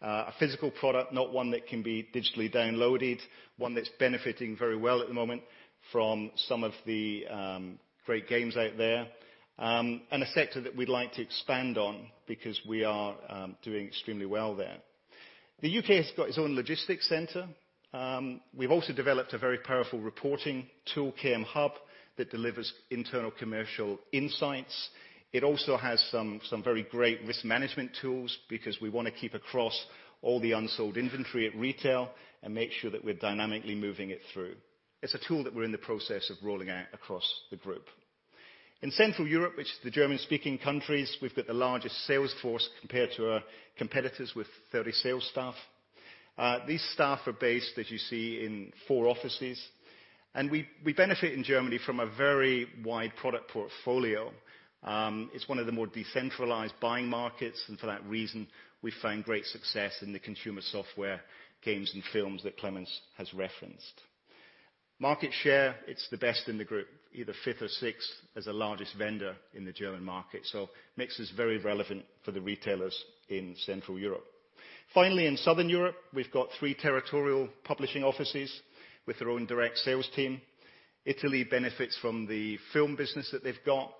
A physical product, not one that can be digitally downloaded, one that's benefiting very well at the moment from some of the great games out there, and a sector that we'd like to expand on because we are doing extremely well there. The U.K. has got its own logistics center. We've also developed a very powerful reporting tool, KM Hub, that delivers internal commercial insights. It also has some very great risk management tools because we want to keep across all the unsold inventory at retail and make sure that we're dynamically moving it through. It's a tool that we're in the process of rolling out across the group. In Central Europe, which is the German-speaking countries, we've got the largest sales force compared to our competitors with 30 sales staff. These staff are based, as you see, in four offices. We benefit in Germany from a very wide product portfolio. It's one of the more decentralized buying markets, and for that reason, we find great success in the consumer software, games, and films that Clemens has referenced. Market share, it's the best in the group, either fifth or sixth as the largest vendor in the German market, so makes us very relevant for the retailers in Central Europe. Finally, in Southern Europe, we've got three territorial publishing offices with their own direct sales team. Italy benefits from the film business that they've got.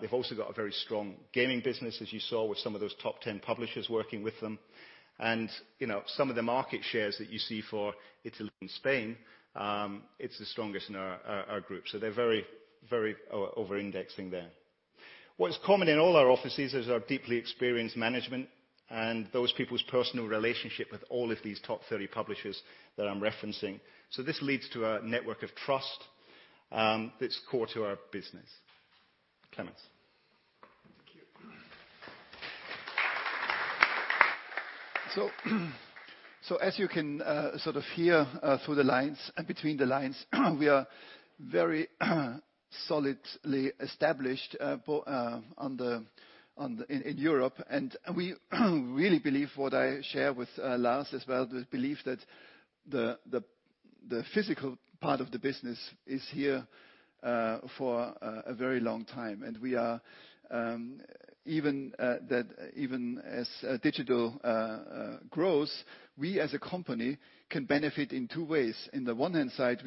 They've also got a very strong gaming business, as you saw with some of those top 10 publishers working with them. Some of the market shares that you see for Italy and Spain, it's the strongest in our group. They're very over-indexing there. What is common in all our offices is our deeply experienced management and those people's personal relationship with all of these top 30 publishers that I'm referencing. This leads to a network of trust that's core to our business. Clemens As you can sort of hear through the lines and between the lines, we are very solidly established in Europe, we really believe what I share with Lars as well, the belief that the physical part of the business is here for a very long time. Even as digital grows, we as a company can benefit in two ways. In the one hand side,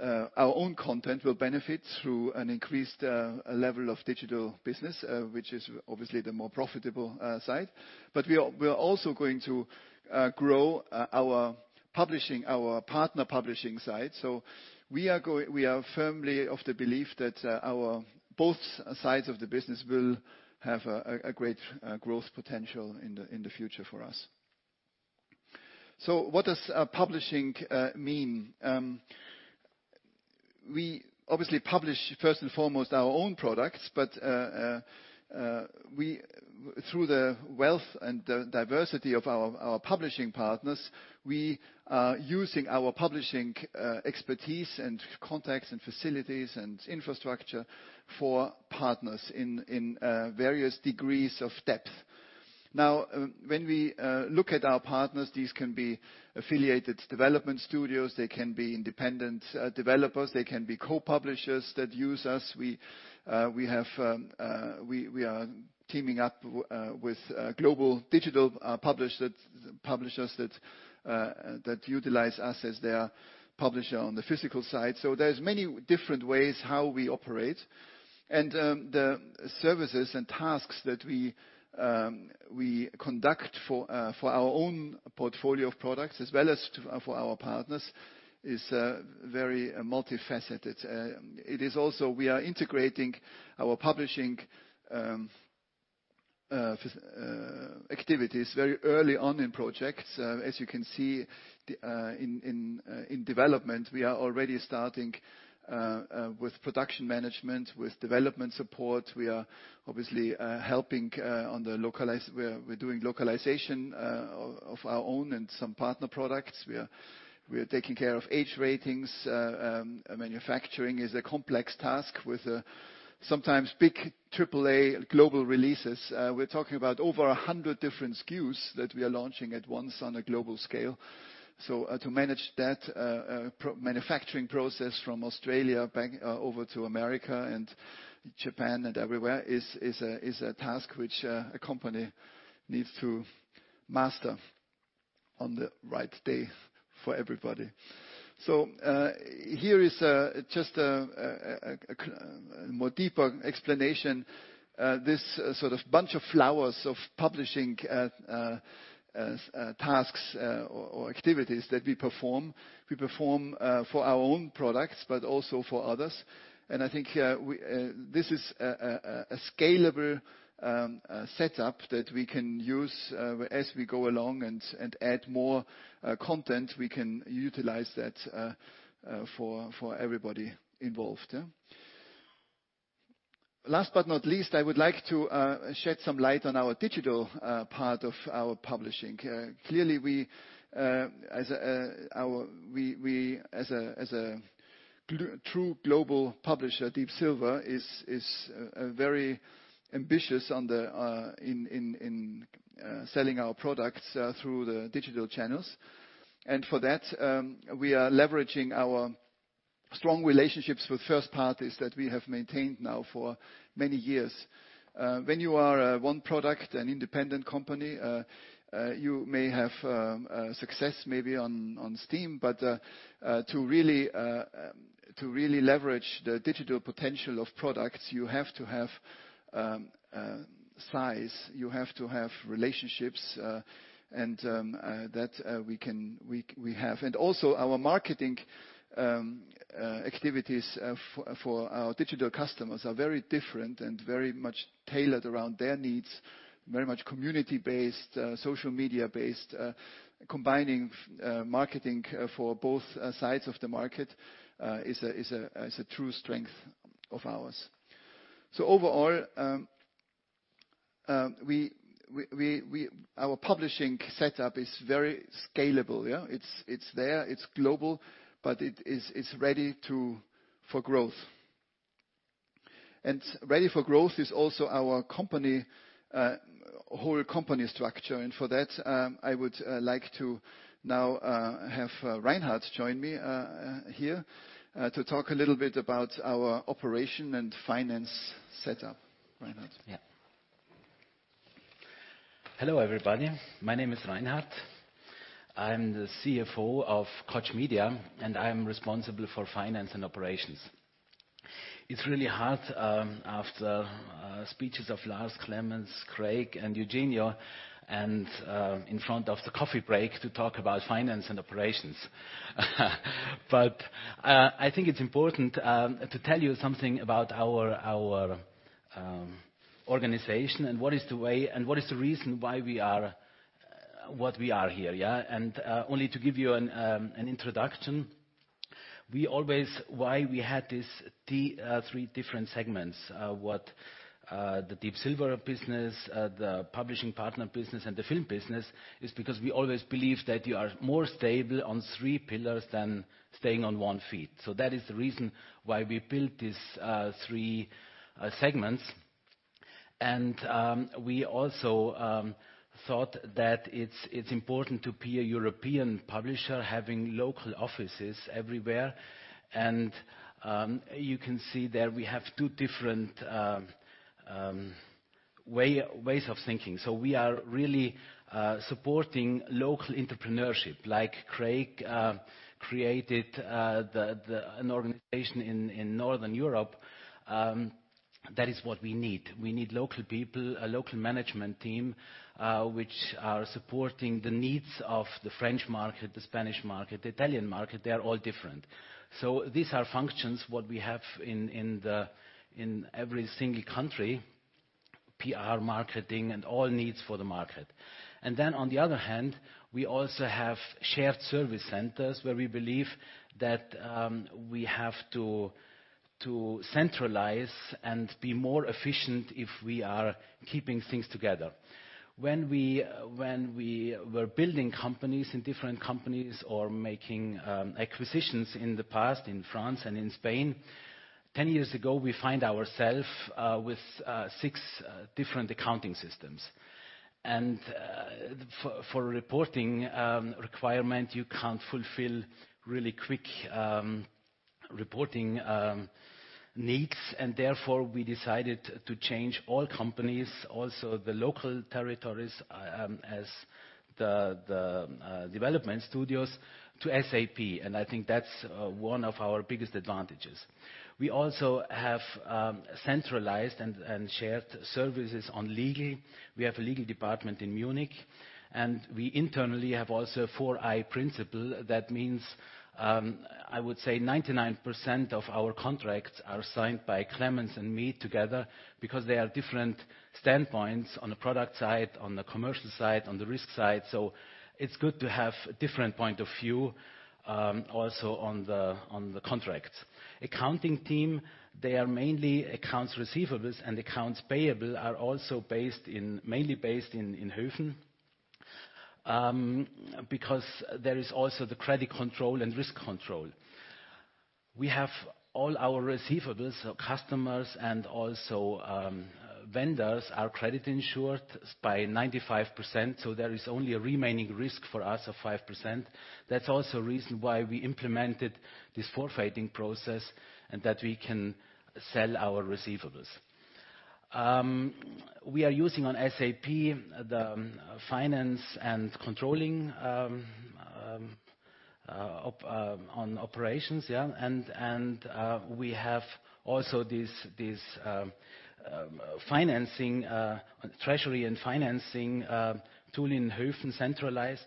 our own content will benefit through an increased level of digital business, which is obviously the more profitable side. We are also going to grow our partner publishing side. We are firmly of the belief that both sides of the business will have a great growth potential in the future for us. What does publishing mean? We obviously publish first and foremost our own products, but through the wealth and the diversity of our publishing partners, we are using our publishing expertise and contacts and facilities and infrastructure for partners in various degrees of depth. Now, when we look at our partners, these can be affiliated development studios, they can be independent developers, they can be co-publishers that use us. We are teaming up with global digital publishers that utilize us as their publisher on the physical side. There's many different ways how we operate. The services and tasks that we conduct for our own portfolio of products as well as for our partners is very multifaceted. We are also integrating our publishing activities very early on in projects. As you can see in development, we are already starting with production management, with development support. We are obviously helping on the We're doing localization of our own and some partner products. We are taking care of age ratings. Manufacturing is a complex task with sometimes big AAA global releases. We're talking about over 100 different SKUs that we are launching at once on a global scale. To manage that manufacturing process from Australia back over to America and Japan and everywhere is a task which a company needs to master on the right day for everybody. Here is just a more deeper explanation. This sort of bunch of flowers of publishing tasks or activities that we perform for our own products, but also for others. I think this is a scalable setup that we can use as we go along and add more content, we can utilize that for everybody involved. Last but not least, I would like to shed some light on our digital part of our publishing. Clearly as a true global publisher, Deep Silver is very ambitious in selling our products through the digital channels. For that, we are leveraging our strong relationships with first parties that we have maintained now for many years. When you are one product, an independent company, you may have success maybe on Steam, but to really leverage the digital potential of products, you have to have size, you have to have relationships, and that we have. Also our marketing activities for our digital customers are very different and very much tailored around their needs, very much community-based, social media based. Combining marketing for both sides of the market is a true strength of ours. Overall, our publishing setup is very scalable. It's there, it's global, but it's ready for growth. Ready for growth is also our whole company structure. For that, I would like to now have Reinhard join me here to talk a little bit about our operation and finance setup. Reinhard? Yeah. Hello, everybody. My name is Reinhard. I'm the CFO of Koch Media, and I am responsible for finance and operations. It's really hard after speeches of Lars, Clemens, Craig, and Eugenio, and in front of the coffee break, to talk about finance and operations. I think it's important to tell you something about our organization and what is the way, and what is the reason why we are what we are here. Only to give you an introduction why we had these three different segments, the Deep Silver business, the publishing partner business, and the film business, is because we always believe that you are more stable on three pillars than staying on one feet. That is the reason why we built these three segments. We also thought that it's important to be a European publisher, having local offices everywhere. You can see there we have two different ways of thinking. We are really supporting local entrepreneurship. Like Craig created an organization in Northern Europe, that is what we need. We need local people, a local management team, which are supporting the needs of the French market, the Spanish market, the Italian market. They are all different. These are functions, what we have in every single country, PR, marketing, and all needs for the market. Then on the other hand, we also have shared service centers where we believe that we have to centralize and be more efficient if we are keeping things together. When we were building companies in different companies or making acquisitions in the past in France and in Spain, 10 years ago, we find ourself with six different accounting systems. For reporting requirement, you can't fulfill really quick reporting needs, therefore, we decided to change all companies, also the local territories, as the development studios to SAP. I think that's one of our biggest advantages. We also have centralized and shared services on legal. We have a legal department in Munich, and we internally have also four-eye principle. That means, I would say 99% of our contracts are signed by Clemens and me together because they are different standpoints on the product side, on the commercial side, on the risk side. It's good to have a different point of view, also on the contracts. Accounting team, they are mainly accounts receivables, and accounts payable are also mainly based in Höfen, because there is also the credit control and risk control. We have all our receivables, so customers and also vendors are credit insured by 95%, so there is only a remaining risk for us of 5%. That's also reason why we implemented this forfaiting process and that we can sell our receivables. We are using on SAP, the finance and controlling on operations. We have also this treasury and financing tool in Höfen centralized.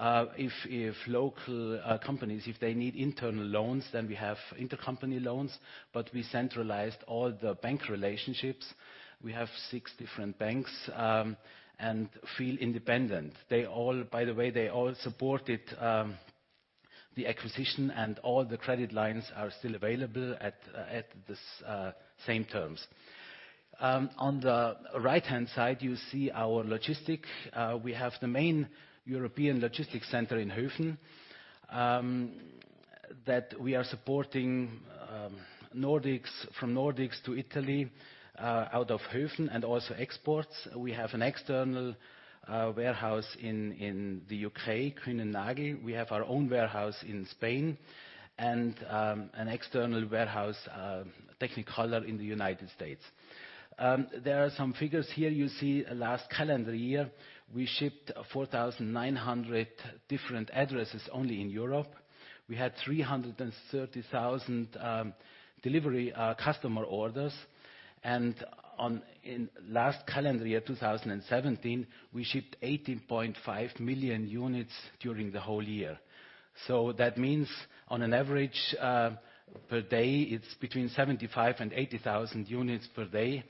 If local companies, if they need internal loans, then we have intercompany loans, but we centralized all the bank relationships. We have six different banks, and feel independent. By the way, they all supported the acquisition, and all the credit lines are still available at the same terms. On the right-hand side, you see our logistic. We have the main European logistic center in Höfen, that we are supporting from Nordics to Italy, out of Höfen and also exports. We have an external warehouse in the U.K., Kühne + Nagel. We have our own warehouse in Spain and an external warehouse, Technicolor in the U.S. There are some figures here. You see last calendar year, we shipped 4,900 different addresses only in Europe. We had 330,000 delivery customer orders. In last calendar year, 2017, we shipped 18.5 million units during the whole year. That means on an average per day, it's between 75,000 and 80,000 units per day.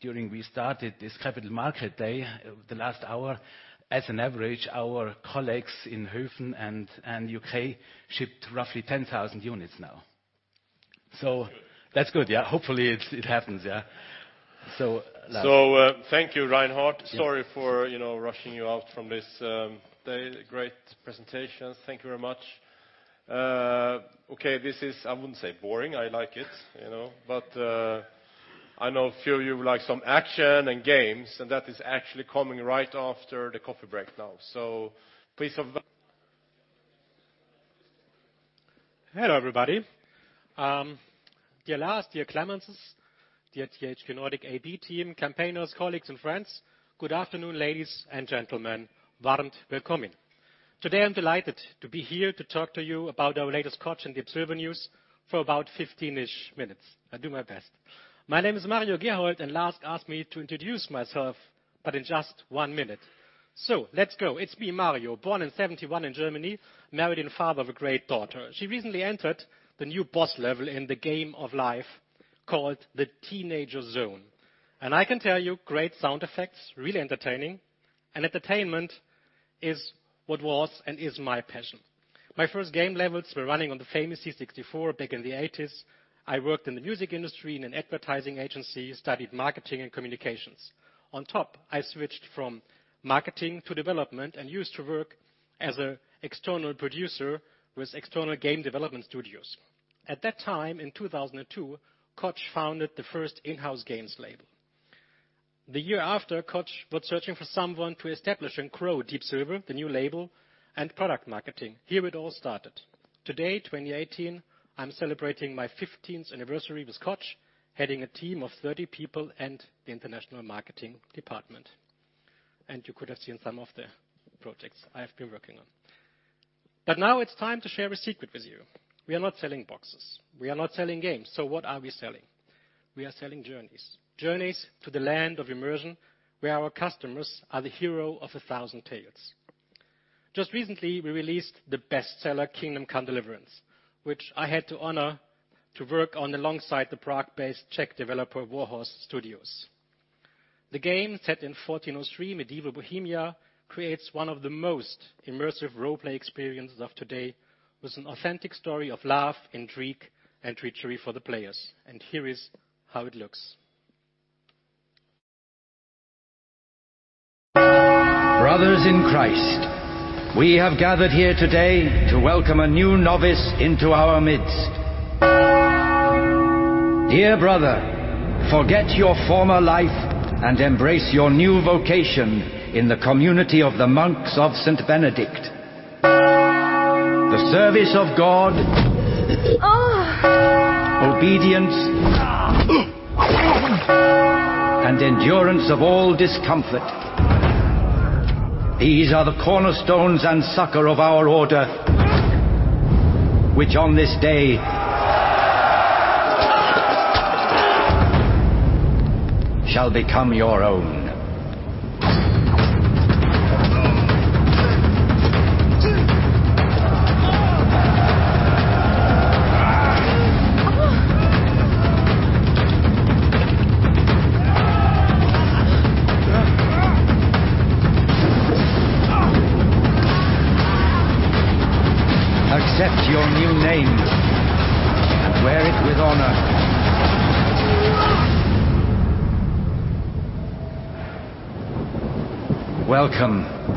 During we started this Capital Market Day, the last hour, as an average, our colleagues in Höfen and U.K. shipped roughly 10,000 units now. That's good. That's good. Hopefully, it happens. Lars. Thank you, Reinhard. Yeah. Sorry for rushing you out from this day. Great presentations. Thank you very much. This is, I wouldn't say boring, I like it. I know a few of you like some action and games, and that is actually coming right after the coffee break now. Hello, everybody. Dear Lars, dear Clemens, dear THQ Nordic AB team, campaigners, colleagues, and friends, good afternoon, ladies and gentlemen. Today, I'm delighted to be here to talk to you about our latest catch in Deep Silver news for about 15-ish minutes. I'll do my best. My name is Mario Gerhold, Lars asked me to introduce myself, but in just one minute. Let's go. It's me, Mario. Born in 1971 in Germany, married and father of a great daughter. She recently entered the new boss level in the game of life called the teenager zone. I can tell you, great sound effects, really entertaining. Entertainment is what was and is my passion. My first game levels were running on the famous C64 back in the 1980s. I worked in the music industry in an advertising agency, studied marketing and communications. On top, I switched from marketing to development and used to work as an external producer with external game development studios. At that time, in 2002, Koch founded the first in-house games label. The year after, Koch went searching for someone to establish and grow Deep Silver, the new label, and product marketing. Here it all started. Today, 2018, I'm celebrating my 15th anniversary with Koch, heading a team of 30 people and the international marketing department. You could have seen some of the projects I have been working on. Now it's time to share a secret with you. We are not selling boxes. We are not selling games. What are we selling? We are selling journeys. Journeys to the land of immersion, where our customers are the hero of a thousand tales. Just recently, we released the best-seller, "Kingdom Come: Deliverance," which I had the honor to work on alongside the Prague-based Czech developer, Warhorse Studios. The game, set in 1403 medieval Bohemia, creates one of the most immersive role-play experiences of today with an authentic story of love, intrigue, and treachery for the players. Here is how it looks. Brothers in Christ, we have gathered here today to welcome a new novice into our midst. Dear brother, forget your former life and embrace your new vocation in the community of the monks of Saint Benedict. The service of God obedience and endurance of all discomfort. These are the cornerstones and succor of our order which on this day shall become your own.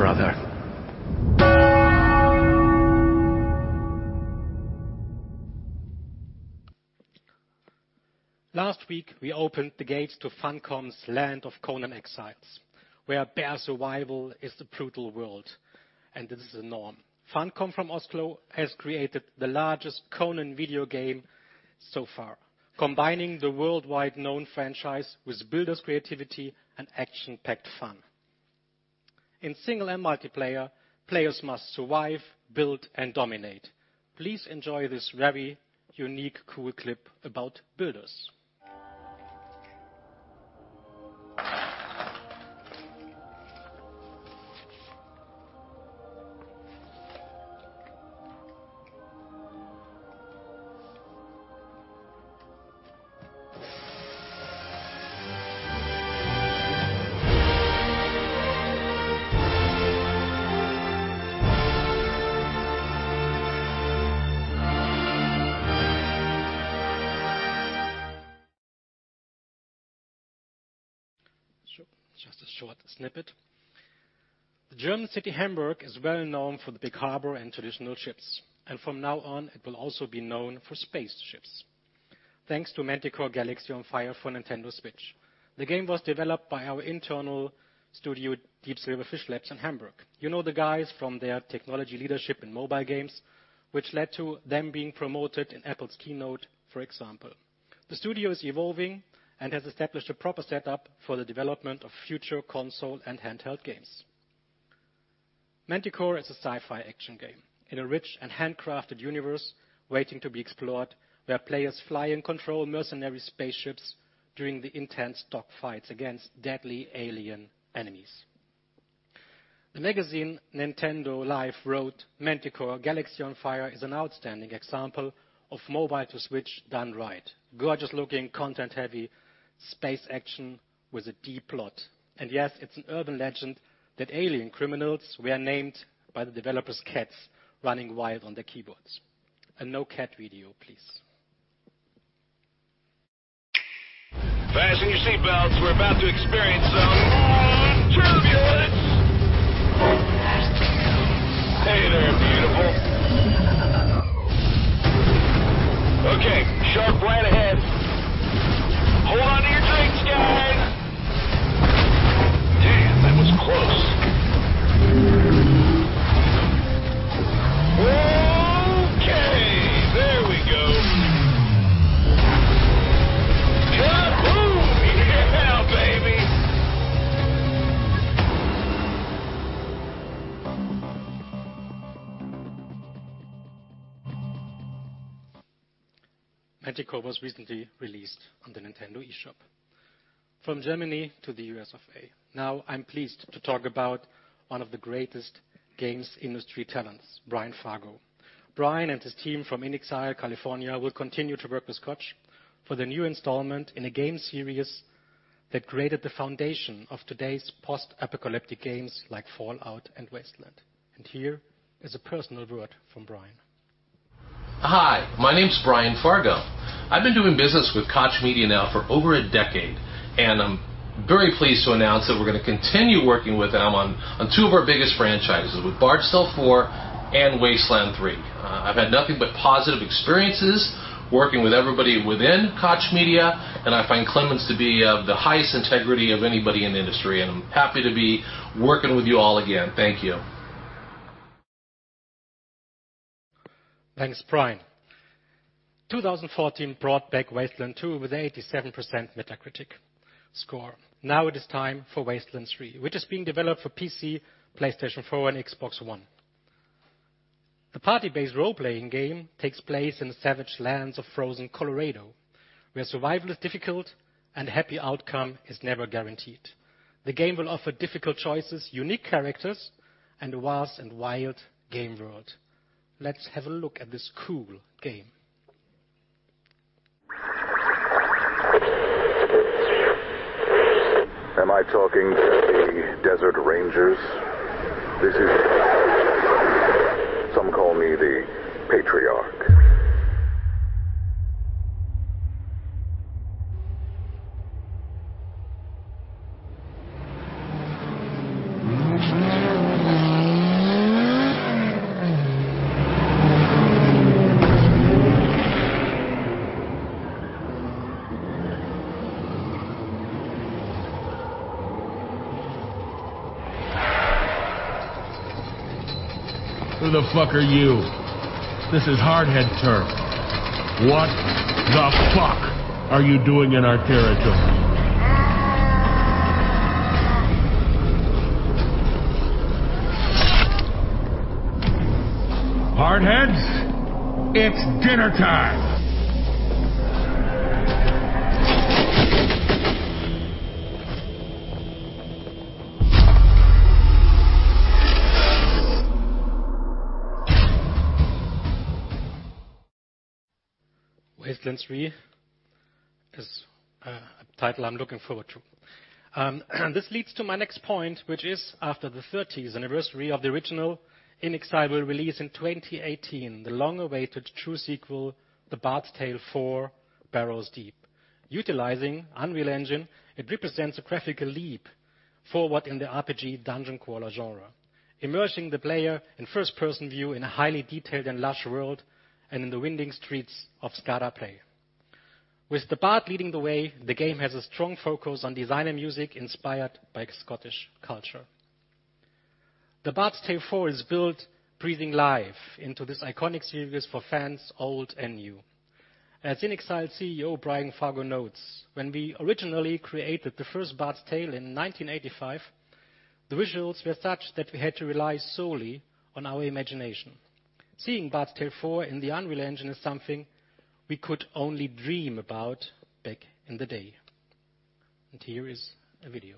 Accept your new name and wear it with honor. Welcome, brother. Last week, we opened the gates to Funcom's land of "Conan Exiles," where bare survival is the brutal world, and this is the norm. Funcom from Oslo has created the largest Conan video game so far, combining the worldwide known franchise with builders creativity and action-packed fun. In single and multiplayer, players must survive, build and dominate. Please enjoy this very unique, cool clip about builders. Just a short snippet. The German city Hamburg is well known for the big harbor and traditional ships, and from now on, it will also be known for spaceships. Thanks to Manticore: Galaxy on Fire for Nintendo Switch. The game was developed by our internal studio, Deep Silver Fishlabs in Hamburg. You know the guys from their technology leadership in mobile games, which led to them being promoted in Apple's keynote, for example. The studio is evolving and has established a proper setup for the development of future console and handheld games. Manticore is a sci-fi action game in a rich and handcrafted universe waiting to be explored, where players fly and control mercenary spaceships during the intense dog fights against deadly alien enemies. The magazine Nintendo Life wrote, "Manticore: Galaxy on Fire is an outstanding example of mobile to Switch done right. Gorgeous looking, content-heavy space action with a deep plot." Yes, it's an urban legend that alien criminals were named by the developers' cats running wild on their keyboards. No cat video, please. Fasten your seatbelts. We're about to experience some turbulence. Hey there, beautiful. Okay, sharp right ahead. Hold on to your drinks, guys. Damn, that was close. Okay, there we go. Ka-boom. Yeah, baby. Manticore was recently released on the Nintendo eShop. From Germany to the U.S. of A. I'm pleased to talk about one of the greatest games industry talents, Brian Fargo. Brian and his team from inXile, California, will continue to work with Koch for the new installment in a game series that created the foundation of today's post-apocalyptic games like Fallout and Wasteland. Here is a personal word from Brian. Hi, my name is Brian Fargo. I've been doing business with Koch Media now for over a decade. I'm very pleased to announce that we're going to continue working with them on two of our biggest franchises, with The Bard's Tale IV and Wasteland 3. I've had nothing but positive experiences working with everybody within Koch Media. I find Clemens to be of the highest integrity of anybody in the industry. I'm happy to be working with you all again. Thank you. Thanks, Brian. 2014 brought back Wasteland 2 with 87% Metacritic score. Now it is time for Wasteland 3, which is being developed for PC, PlayStation 4, and Xbox One. The party-based role-playing game takes place in the savage lands of frozen Colorado, where survival is difficult and a happy outcome is never guaranteed. The game will offer difficult choices, unique characters, and a vast and wild game world. Let's have a look at this cool game. Am I talking to the Desert Rangers? This is some call me the Patriarch. Who the fuck are you? This is Hard Head turf. What the fuck are you doing in our territory? Hard Heads, it's dinner time. Wasteland 3 is a title I'm looking forward to. This leads to my next point, which is after the 30th anniversary of the original inXile release in 2018, the long-awaited true sequel, "The Bard's Tale IV: Barrows Deep." Utilizing Unreal Engine, it represents a graphical leap forward in the RPG dungeon crawler genre, immersing the player in first-person view in a highly detailed and lush world and in the winding streets of Skara Brae. With the bard leading the way, the game has a strong focus on design and music inspired by Scottish culture. The Bard's Tale IV is built breathing life into this iconic series for fans old and new. As inXile CEO Brian Fargo notes, "When we originally created the first Bard's Tale in 1985, the visuals were such that we had to rely solely on our imagination. Seeing Bard's Tale IV in the Unreal Engine is something we could only dream about back in the day. Here is a video.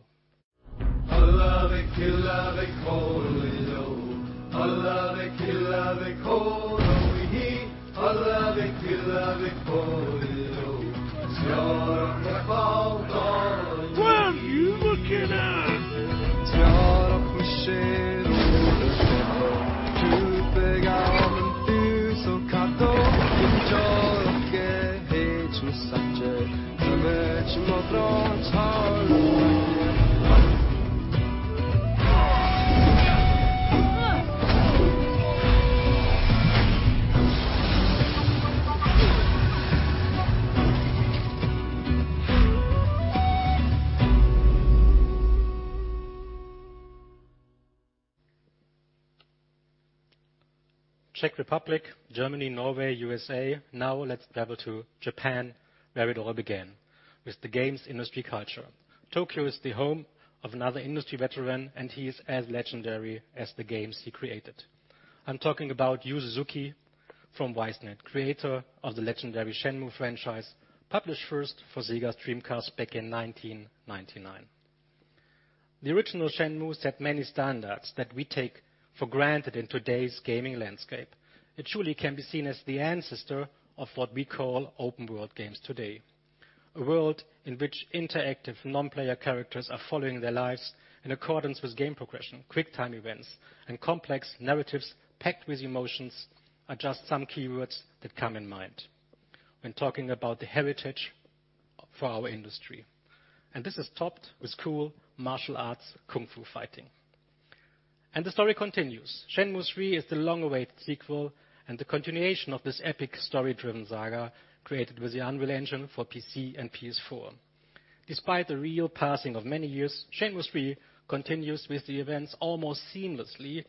Czech Republic, Germany, Norway, USA. Now let's travel to Japan, where it all began with the games industry culture. Tokyo is the home of another industry veteran, and he is as legendary as the games he created. I'm talking about Yu Suzuki from Ys Net, creator of the legendary Shenmue franchise, published first for Sega Dreamcast back in 1999. The original Shenmue set many standards that we take for granted in today's gaming landscape. It truly can be seen as the ancestor of what we call open-world games today. A world in which interactive non-player characters are following their lives in accordance with game progression, quick time events, and complex narratives packed with emotions are just some keywords that come in mind when talking about the heritage for our industry. This is topped with cool martial arts kung fu fighting. The story continues. Shenmue III is the long-awaited sequel and the continuation of this epic story-driven saga created with the Unreal Engine for PC and PS4. Despite the real passing of many years, Shenmue III continues with the events almost seamlessly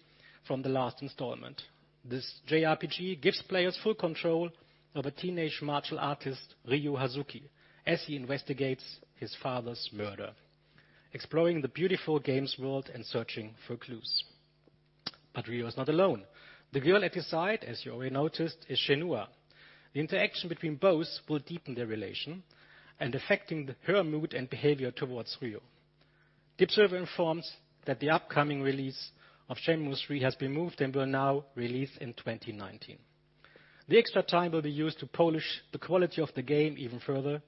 from the last installment. This JRPG gives players full control of a teenage martial artist, Ryo Hazuki, as he investigates his father's murder, exploring the beautiful games world and searching for clues. Ryo is not alone. The girl at his side, as you already noticed, is Shenhua. The interaction between both will deepen their relation and affecting her mood and behavior towards Ryo. Deep Silver informs that the upcoming release of "Shenmue III" has been moved and will now release in 2019. The extra time will be used to polish the quality of the game even further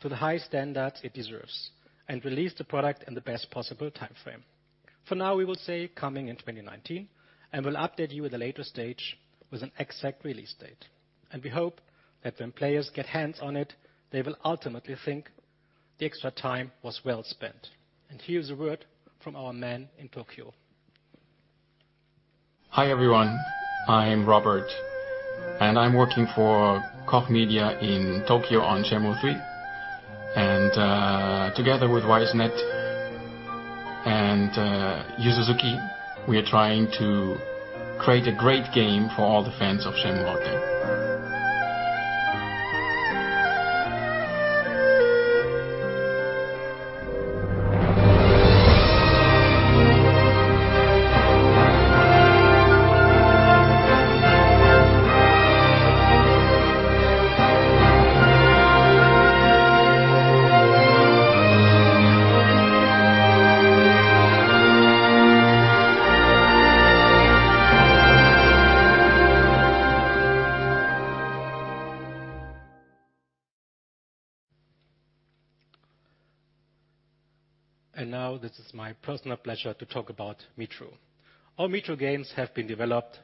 to the high standards it deserves and release the product in the best possible timeframe. For now, we will say coming in 2019 and will update you at a later stage with an exact release date. We hope that when players get hands on it, they will ultimately think the extra time was well spent. Here's a word from our man in Tokyo. Hi, everyone. I'm Robert, and I'm working for Koch Media in Tokyo on "Shenmue III." Together with Ys Net and Yu Suzuki, we are trying to create a great game for all the fans of Shenmue, okay? Now this is my personal pleasure to talk about Metro. Our Metro games have been developed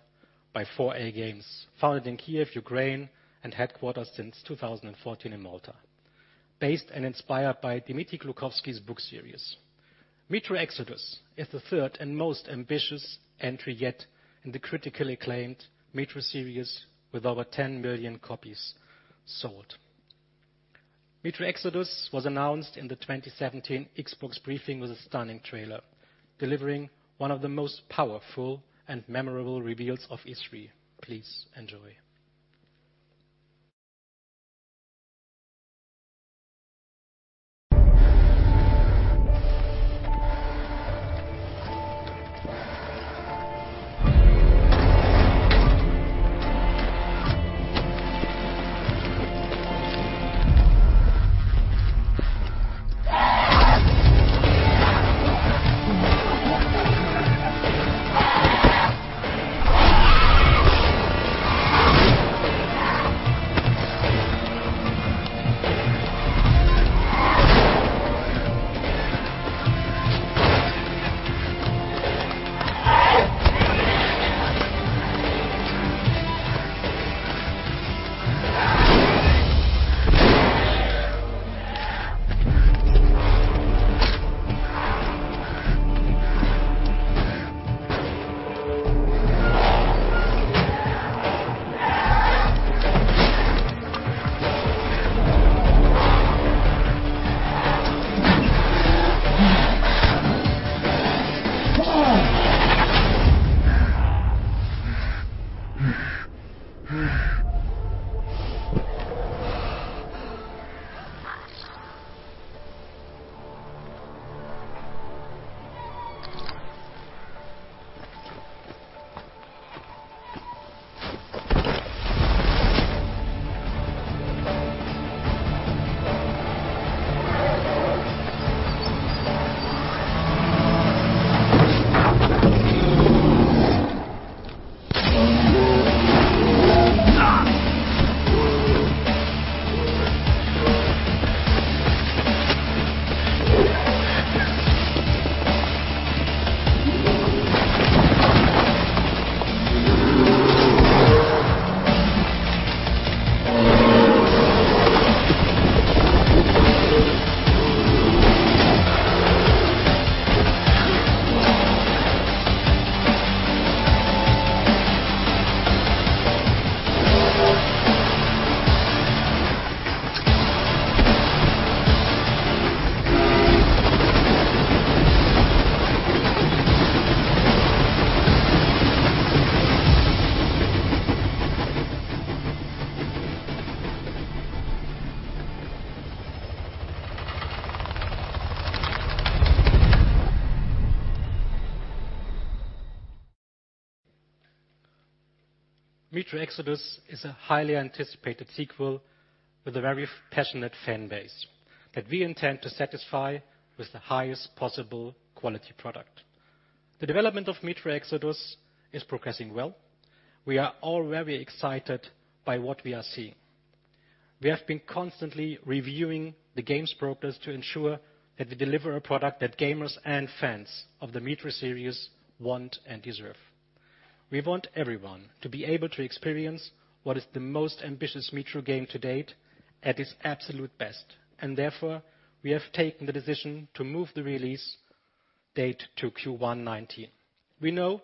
by 4A Games, founded in Kiev, Ukraine, and headquartered since 2014 in Malta. Based and inspired by Dmitry Glukhovsky's book series. Metro Exodus is the third and most ambitious entry yet in the critically acclaimed Metro series, with over 10 million copies sold. Metro Exodus was announced in the 2017 Xbox briefing with a stunning trailer, delivering one of the most powerful and memorable reveals of E3. Please enjoy. Metro Exodus is a highly anticipated sequel with a very passionate fan base that we intend to satisfy with the highest possible quality product. The development of Metro Exodus is progressing well. We are all very excited by what we are seeing. We have been constantly reviewing the game's progress to ensure that we deliver a product that gamers and fans of the Metro series want and deserve. We want everyone to be able to experience what is the most ambitious Metro game to date at its absolute best. Therefore, we have taken the decision to move the release date to Q1 2019. We know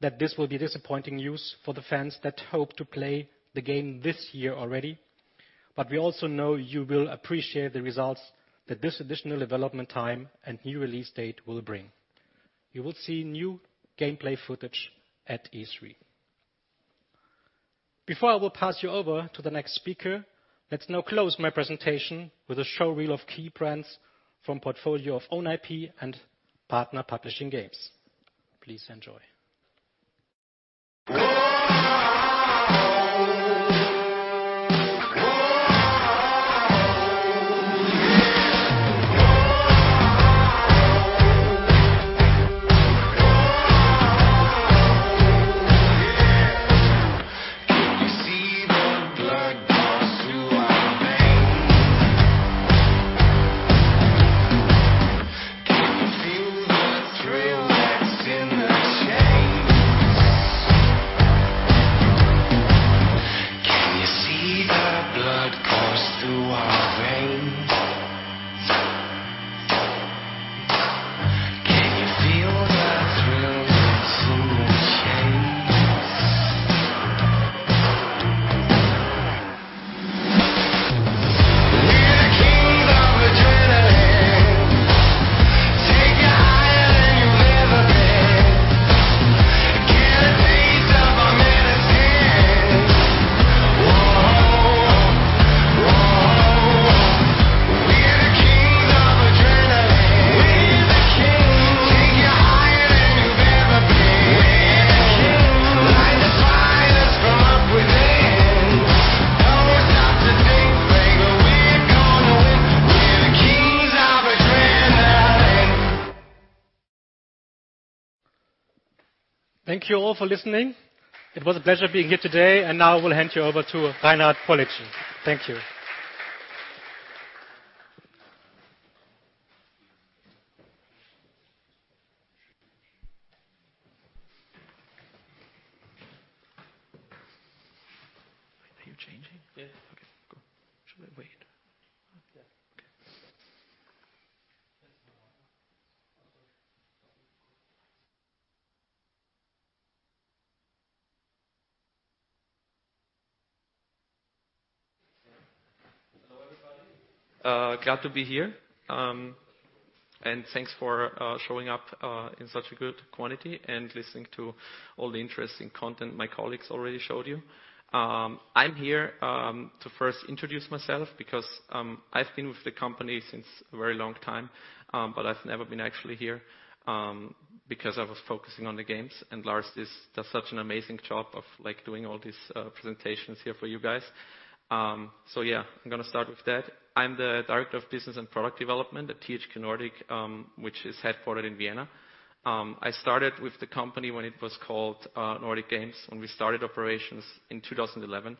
that this will be disappointing news for the fans that hope to play the game this year already. We also know you will appreciate the results that this additional development time and new release date will bring. You will see new gameplay footage at E3. Before I will pass you over to the next speaker, let's now close my presentation with a show reel of key brands from portfolio of own IP and partner publishing games. Please enjoy. Can you see Are you changing? Yes. Okay, cool. Should I wait? Yeah. Okay. Hello, everybody. Glad to be here. Thanks for showing up in such a good quantity and listening to all the interesting content my colleagues already showed you. I'm here to first introduce myself because I've been with the company since a very long time, but I've never been actually here because I was focusing on the games, and Lars does such an amazing job of doing all these presentations here for you guys. Yeah, I'm going to start with that. I'm the director of business and product development at THQ Nordic, which is headquartered in Vienna. I started with the company when it was called Nordic Games, when we started operations in 2011,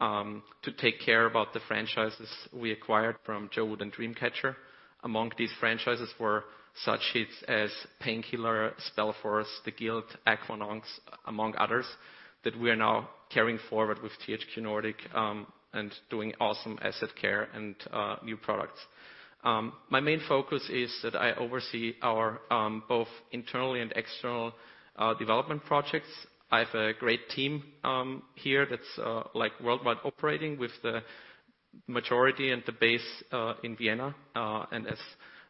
to take care about the franchises we acquired from JoWooD and DreamCatcher. Among these franchises were such hits as "Painkiller," "SpellForce," "The Guild," "AquaNox," among others, that we are now carrying forward with THQ Nordic, and doing awesome asset care and new products. My main focus is that I oversee our both internal and external development projects. I have a great team here that's worldwide operating with the majority and the base in Vienna. As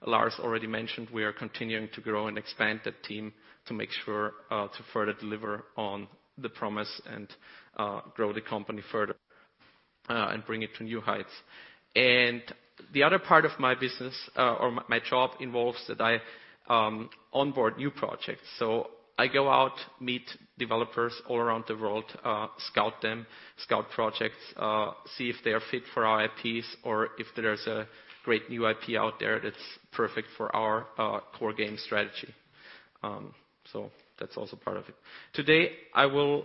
Lars already mentioned, we are continuing to grow and expand the team to make sure to further deliver on the promise and grow the company further and bring it to new heights. The other part of my business, or my job, involves that I onboard new projects. I go out, meet developers all around the world, scout them, scout projects, see if they are fit for our IPs or if there's a great new IP out there that's perfect for our core game strategy. That's also part of it. Today, I will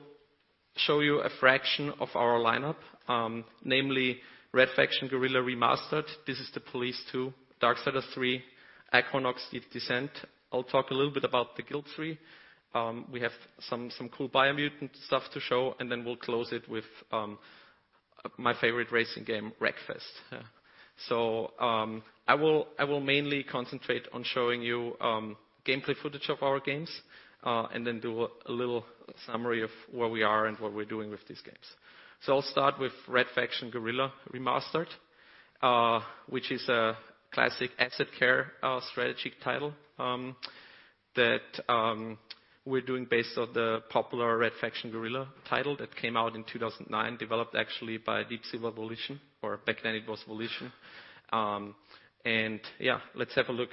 show you a fraction of our lineup, namely "Red Faction: Guerrilla Re-Mars-tered," "This is the Police 2," "Darksiders III," "Aquanox Deep Descent." I'll talk a little bit about "The Guild 3." We have some cool "Biomutant" stuff to show, and then we'll close it with my favorite racing game, "Wreckfest." I will mainly concentrate on showing you gameplay footage of our games, and then do a little summary of where we are and what we're doing with these games. I'll start with "Red Faction: Guerrilla Re-Mars-tered," which is a classic asset care strategy title that we're doing based on the popular "Red Faction: Guerrilla" title that came out in 2009, developed actually by Deep Silver Volition, or back then it was Volition. Yeah, let's have a look.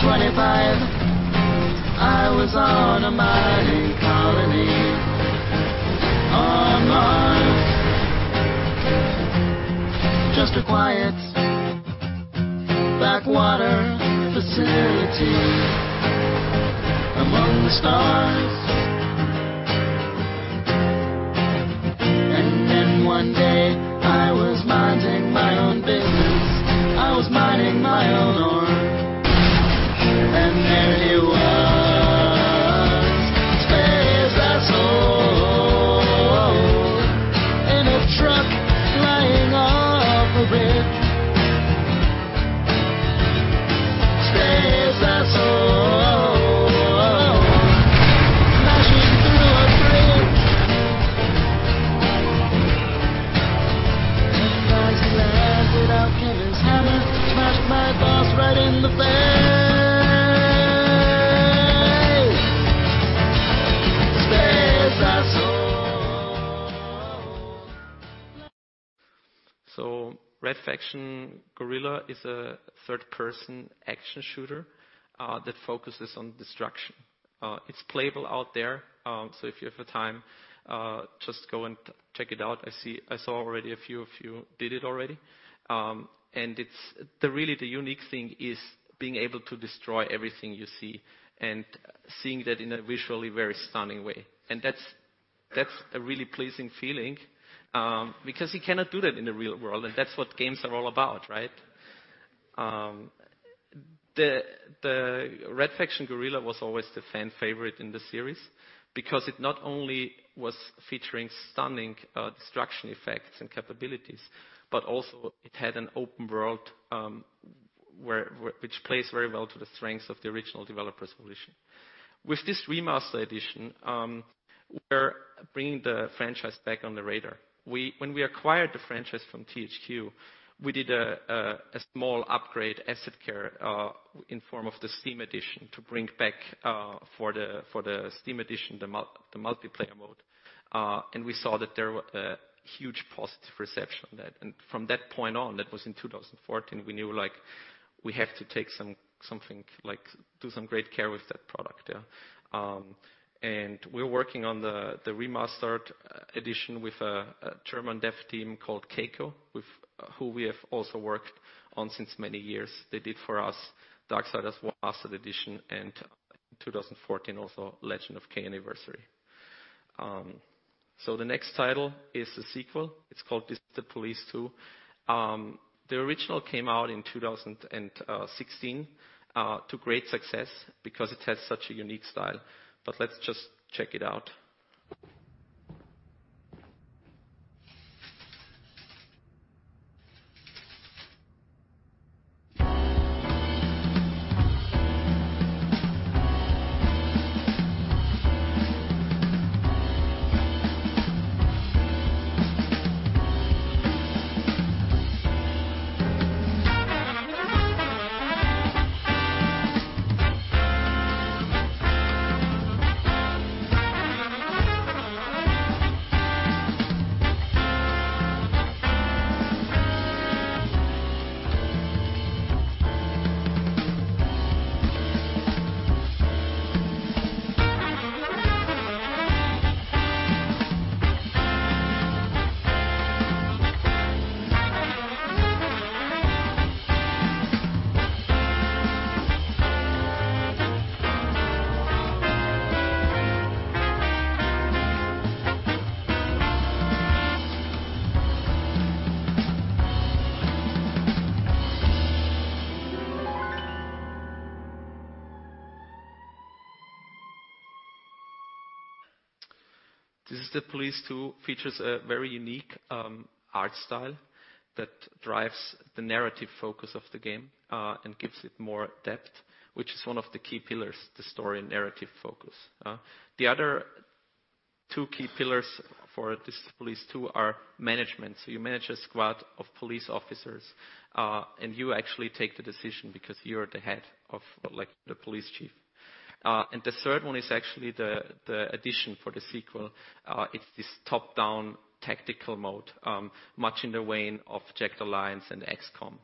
In 2125, I was on a mining colony on Mars. Just a quiet backwater facility among the stars. Then one day, I was minding my own business. I was mining my own ore. There he was, Goat Simulator. In a truck flying off a bridge. Goat Simulator. Mashing through a bridge. As he landed, out came his hammer. Smashed my boss right in the face. Red Faction: Guerrilla is a third-person action shooter that focuses on destruction. It's playable out there, so if you have the time, just go and check it out. I saw already a few of you did it already. Really the unique thing is being able to destroy everything you see and seeing that in a visually very stunning way. That's a really pleasing feeling, because you cannot do that in the real world, and that's what games are all about, right? Red Faction: Guerrilla was always the fan favorite in the series because it not only was featuring stunning destruction effects and capabilities, but also it had an open world which plays very well to the strengths of the original developers' Volition. With this remastered edition, we're bringing the franchise back on the radar. When we acquired the franchise from THQ, we did a small upgrade asset care in form of the Steam edition to bring back for the Steam edition, the multiplayer mode. We saw that there was a huge positive reception. From that point on, that was in 2014, we knew we have to do some great care with that product. We're working on the remastered edition with a German dev team called Kaiko, who we have also worked on since many years. They did for us Darksiders Warmastered Edition and 2014 also Legend of Kay Anniversary. The next title is the sequel. It's called This Is the Police 2. The original came out in 2016 to great success because it has such a unique style. Let's just check it out. This Is the Police 2 features a very unique art style that drives the narrative focus of the game and gives it more depth, which is one of the key pillars, the story and narrative focus. The other two key pillars for This Is the Police 2 are management. You manage a squad of police officers, and you actually take the decision because you're the head of the police chief. The third one is actually the addition for the sequel. It's this top-down tactical mode, much in the vein of Jagged Alliance and XCOM.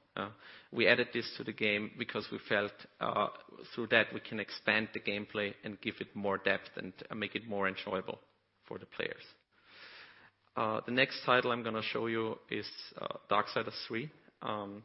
We added this to the game because we felt through that we can expand the gameplay and give it more depth and make it more enjoyable for the players. The next title I'm going to show you is Darksiders III. This was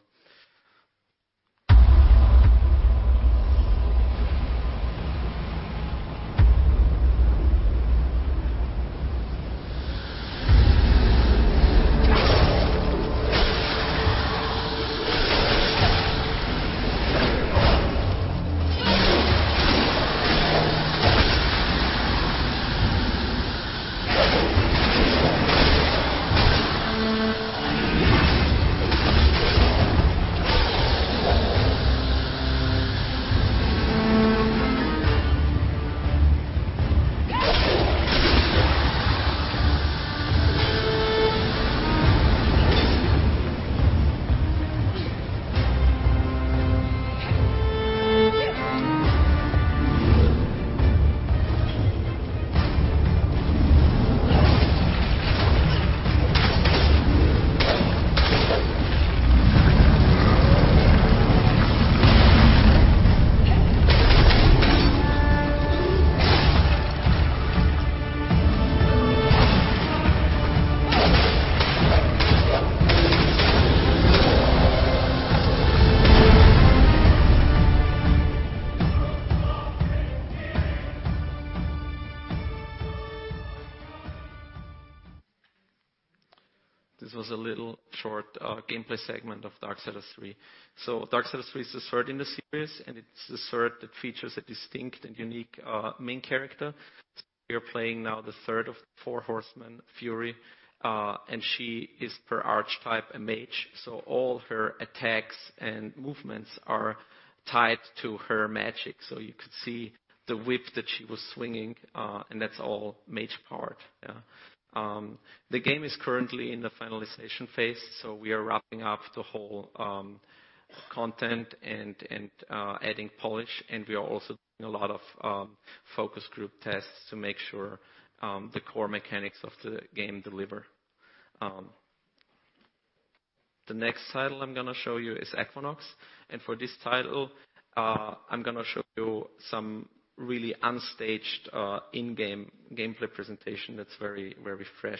a little short gameplay segment of Darksiders III. Darksiders III is the third in the series, and it's the third that features a distinct and unique main character. We are playing now the third of four horsemen, Fury, and she is per archetype a mage. All her attacks and movements are tied to her magic. You could see the whip that she was swinging, and that's all mage part. The game is currently in the finalization phase. We are wrapping up the whole content and adding polish, and we are also doing a lot of focus group tests to make sure the core mechanics of the game deliver. The next title I'm going to show you is "AquaNox," and for this title, I'm going to show you some really unstaged in-game gameplay presentation that's very fresh.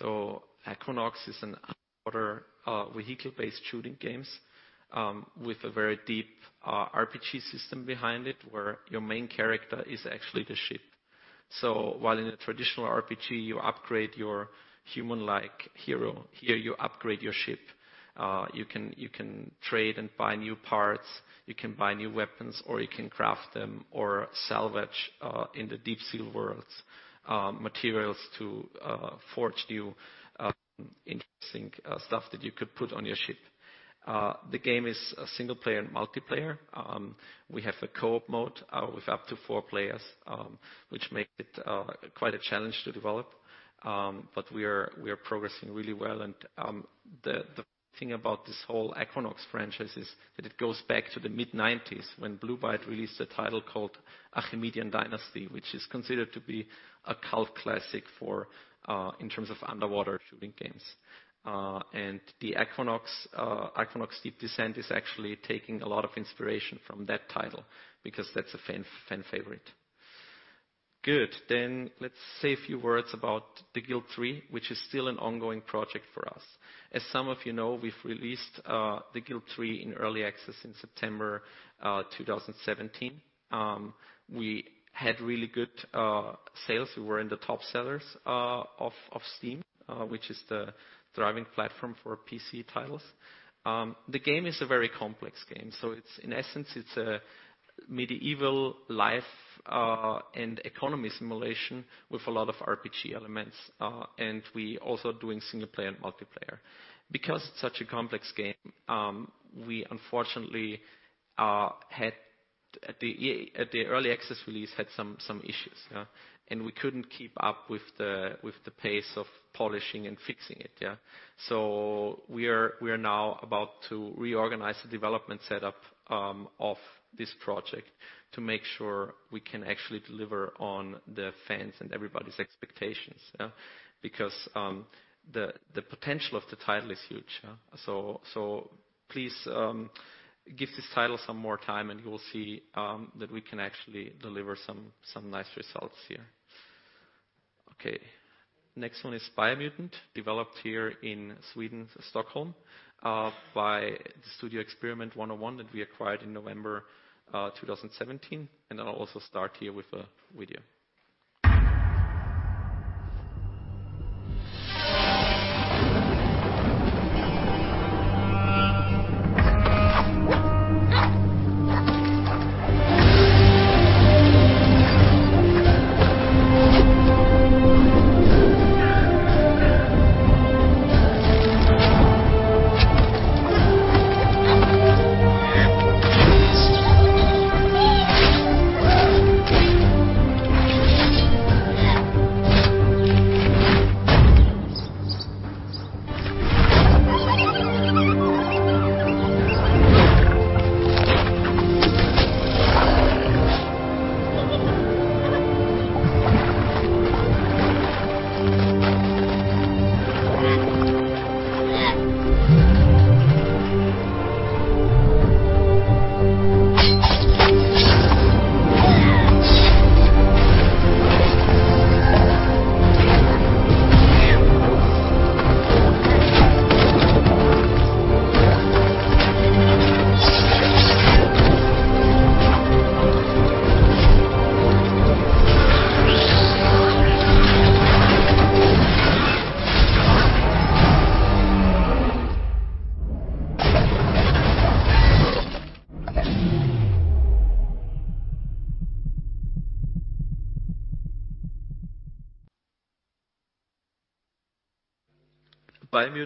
Nanofauna. Watch out, we've got company. More of them inbound. Protect the Tupolock. Just a few of those things could take down the whole ship. Whatever happens, you must survive. What are you waiting for? Hold your aim. There is a rust phase. Attention, lone craft. I am Tupolox Six, Adjunct of the Pilot. You will power down your engines and surrender. AquaNox" is an underwater vehicle-based shooting game with a very deep RPG system behind it, where your main character is actually the ship. While in a traditional RPG you upgrade your human-like hero, here you upgrade your ship. You can trade and buy new parts, you can buy new weapons, or you can craft them or salvage, in the deep-sea worlds, materials to forge new interesting stuff that you could put on your ship. The game is single-player and multiplayer. We have a co-op mode with up to four players, which makes it quite a challenge to develop, but we are progressing really well. The thing about this whole AquaNox franchise is that it goes back to the mid-'90s, when Blue Byte released a title called "Archimedean Dynasty," which is considered to be a cult classic in terms of underwater shooting games. The "Aquanox Deep Descent" is actually taking a lot of inspiration from that title, because that's a fan favorite. Good. Let's say a few words about "The Guild 3," which is still an ongoing project for us. As some of you know, we've released "The Guild 3" in early access in September 2017. We had really good sales. We were in the top sellers of Steam, which is the thriving platform for PC titles. The game is a very complex game, in essence, it's a medieval life and economy simulation with a lot of RPG elements, and we're also doing single-player and multiplayer. It's such a complex game, we unfortunately, at the early access release, had some issues, and we couldn't keep up with the pace of polishing and fixing it. We are now about to reorganize the development setup of this project to make sure we can actually deliver on the fans' and everybody's expectations. The potential of the title is huge. Please give this title some more time, and you will see that we can actually deliver some nice results here. Okay. Next one is "Biomutant," developed here in Sweden, Stockholm, by Studio Experiment 101 that we acquired in November 2017. I'll also start here with a video.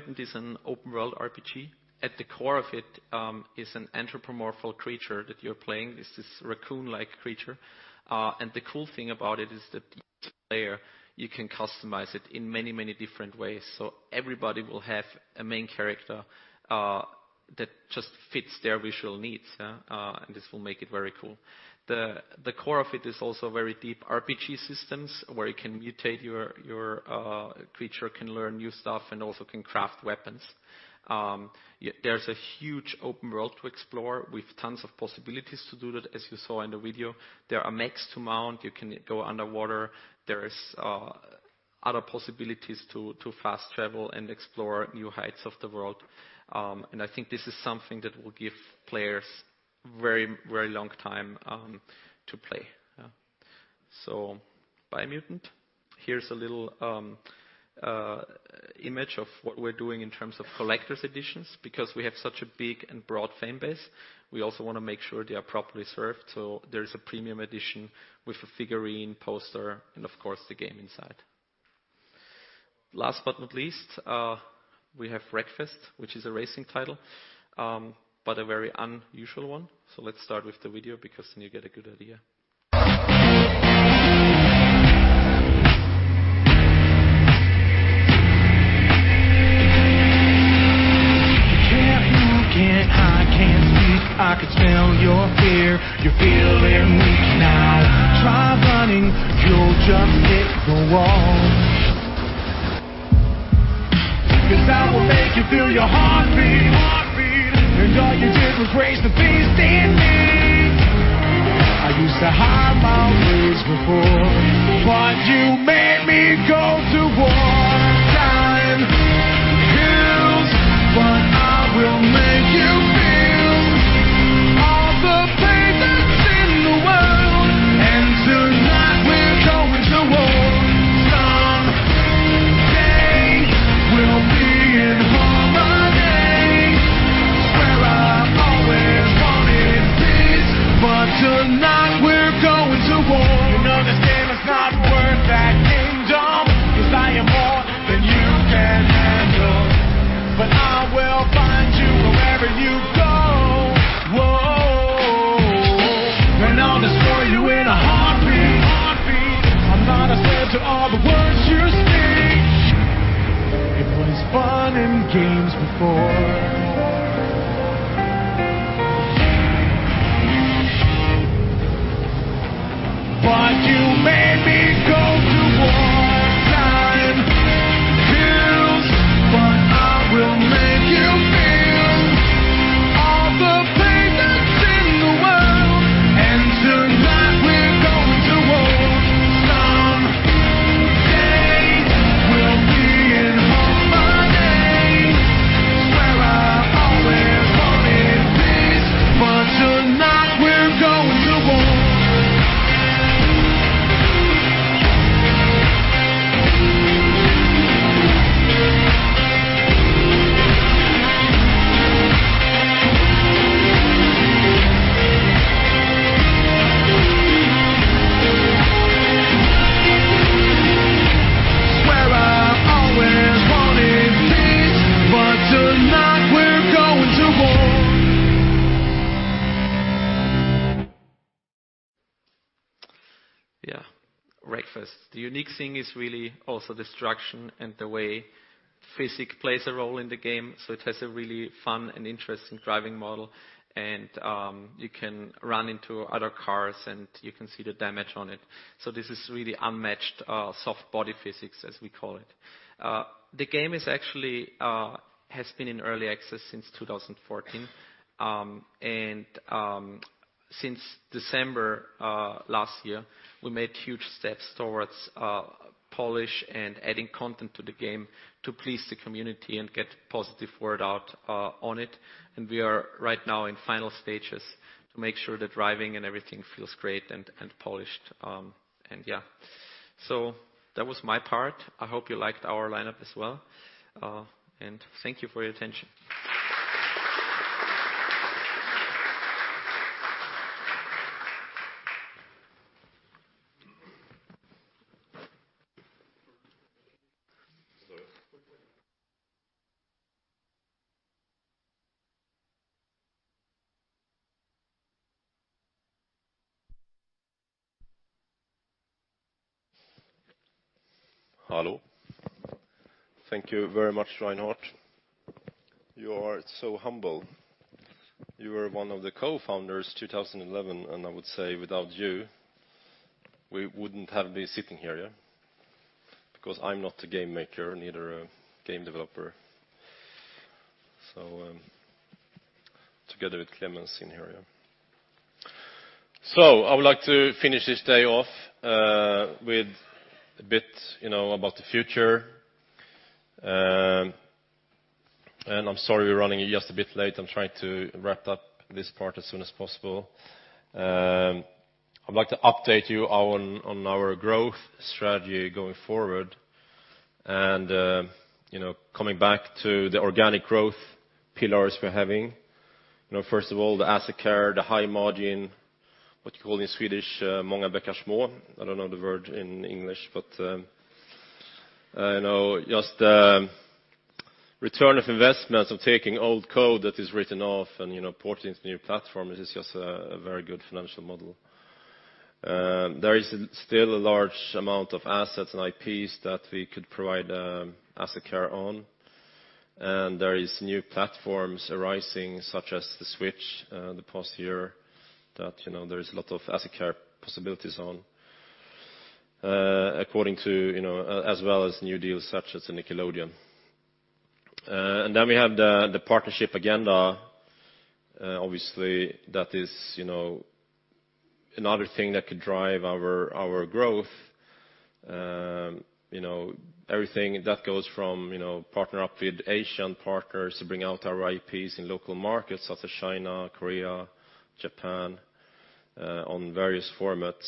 Biomutant is an open world RPG. At the core of it, is an anthropomorphical creature that you're playing. It's this raccoon-like creature. The cool thing about it is that player, you can customize it in many different ways. Everybody will have a main character that just fits their visual needs. This will make it very cool. The core of it is also very deep RPG systems, where you can mutate your creature, can learn new stuff, and also can craft weapons. There's a huge open world to explore with tons of possibilities to do that, as you saw in the video. There are mechs to mount. You can go underwater. There is other possibilities to fast travel and explore new heights of the world. I think this is something that will give players very long time to play. Biomutant. Here's a little image of what we're doing in terms of collector's editions. Because we have such a big and broad fan base, we also want to make sure they are properly served. There's a premium edition with a figurine, poster, and of course, the game inside. Last but not least, we have Wreckfest, which is a racing title, but a very unusual one. Let's start with the video because then you get a good idea. You can't move, can't hide, can't speak. I can smell your fear. You're feeling weak. Now, try running, you'll just hit the wall. Because that will make you feel your heartbeat. All you did was raise the beast in me. I used to hide my ways before, but you made me go to war. Time heals, but I will make go to war. Time heals, but I will make you feel. All the pain that's in the world, and tonight we're going to war. Someday, we'll be in harmony. Swear I've always wanted peace, but tonight we're going to war. Swear I've always wanted peace, but tonight we're going to war. Yeah. Wreckfest. The unique thing is really also destruction and the way physics plays a role in the game. It has a really fun and interesting driving model. You can run into other cars, and you can see the damage on it. This is really unmatched soft body physics, as we call it. The game actually has been in early access since 2014. Since December last year, we made huge steps towards polish and adding content to the game to please the community and get positive word out on it. We are right now in final stages to make sure the driving and everything feels great and polished. Yeah. That was my part. I hope you liked our lineup as well. Thank you for your attention. Hello. Thank you very much, Reinhard. You are so humble. You were one of the co-founders, 2011, and I would say without you, we wouldn't have been sitting here. I'm not a game maker, neither a game developer. Together with Clemens in here, yeah. I would like to finish this day off with a bit about the future. I'm sorry we're running just a bit late. I'm trying to wrap up this part as soon as possible. I'd like to update you on our growth strategy going forward and coming back to the organic growth pillars we're having. First of all, the asset care, the high margin, what you call in Swedish, "många bäckar små." I don't know the word in English, but just the return on investments of taking old code that is written off and porting to new platform, it is just a very good financial model. There is still a large amount of assets and IPs that we could provide asset care on. There is new platforms arising such as the Switch in the past year that there is a lot of asset care possibilities on. According to, as well as new deals such as the Nickelodeon. We have the partnership agenda. Obviously, that is another thing that could drive our growth. Everything that goes from partner up with Asian partners to bring out our IPs in local markets such as China, Korea, Japan, on various formats,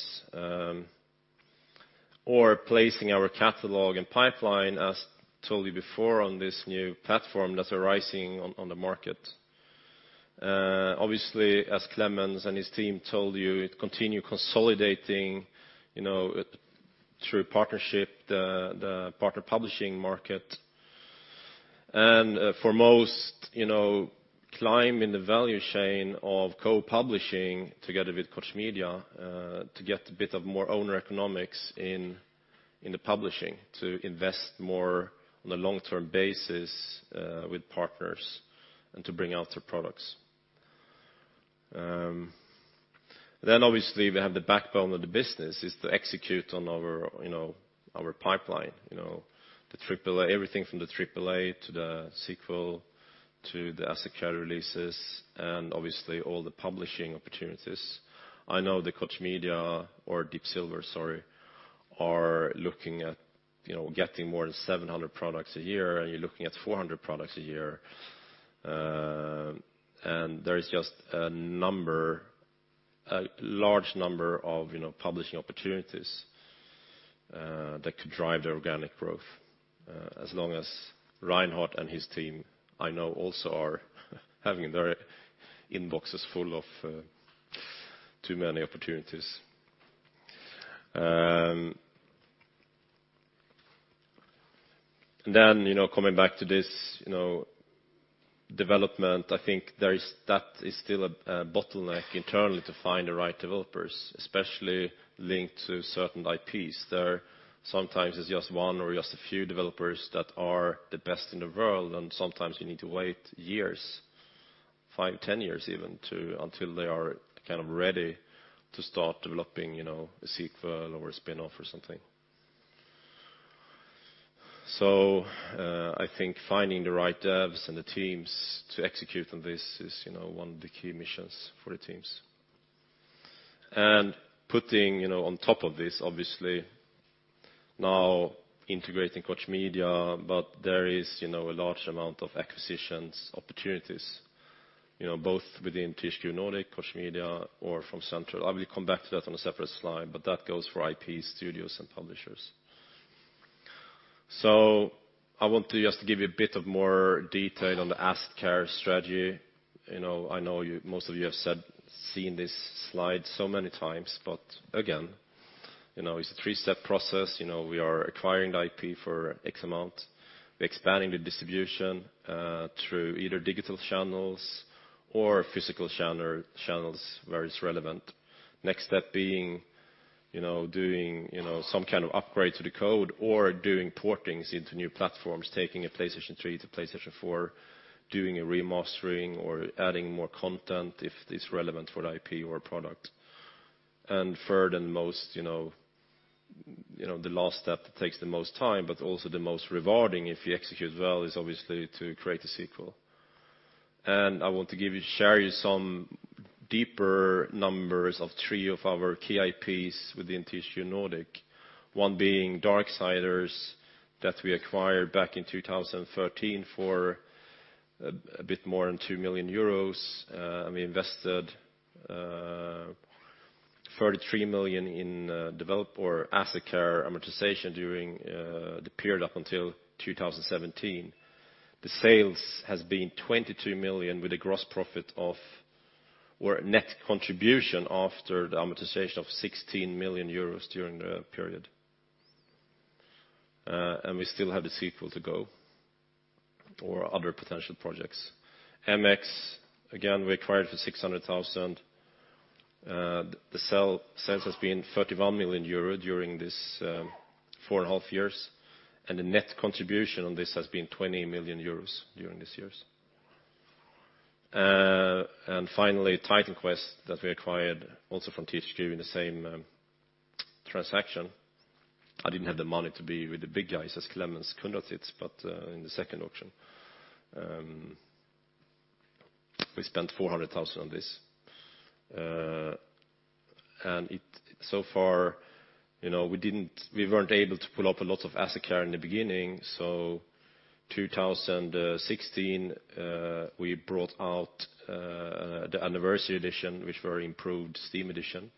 or placing our catalog and pipeline, as told you before, on this new platform that's arising on the market. Obviously, as Clemens and his team told you, it continue consolidating through partnership, the partner publishing market. For most, climb in the value chain of co-publishing together with Koch Media to get a bit of more owner economics in the publishing to invest more on a long-term basis with partners and to bring out their products. Obviously, we have the backbone of the business is to execute on our pipeline. Everything from the AAA to the sequel, to the asset care releases, and obviously all the publishing opportunities. I know that Koch Media or Deep Silver, sorry, are looking at getting more than 700 products a year, and you're looking at 400 products a year. There is just a large number of publishing opportunities that could drive the organic growth, as long as Reinhard and his team, I know also are having their inboxes full of too many opportunities. Coming back to this development, I think that is still a bottleneck internally to find the right developers, especially linked to certain IPs. There sometimes is just one or just a few developers that are the best in the world, and sometimes you need to wait years, five, 10 years even, until they are ready to start developing a sequel or a spin-off or something. I think finding the right devs and the teams to execute on this is one of the key missions for the teams. Putting on top of this, obviously, now integrating Koch Media, but there is a large amount of acquisitions opportunities both within THQ Nordic, Koch Media or from Central. I will come back to that on a separate slide, but that goes for IP, studios and publishers. I want to just give you a bit of more detail on the asset care strategy. I know most of you have seen this slide so many times, but again, it's a three-step process. We are acquiring the IP for X amount. We're expanding the distribution through either digital channels or physical channels where it's relevant. Next step being doing some kind of upgrade to the code or doing portings into new platforms, taking a PlayStation 3 to PlayStation 4, doing a remastering or adding more content if it's relevant for the IP or product. Third, the last step that takes the most time, but also the most rewarding if you execute well, is obviously to create a sequel. I want to share you some deeper numbers of three of our key IPs within THQ Nordic. One being Darksiders that we acquired back in 2013 for a bit more than 2 million euros. We invested 33 million in develop or asset care amortization during the period up until 2017. The sales has been 22 million with a gross profit of where net contribution after the amortization of 16 million euros during the period. We still have the sequel to go or other potential projects. MX, again, we acquired for 600,000. The sales has been 31 million euro during this four and a half years, and the net contribution on this has been 20 million euros during these years. Finally, Titan Quest that we acquired also from THQ in the same transaction. I didn't have the money to be with the big guys as Klemens conducted, but in the second auction. We spent 400,000 on this. So far We weren't able to pull up a lot of asset care in the beginning. 2016, we brought out the anniversary edition, which very improved Steam edition.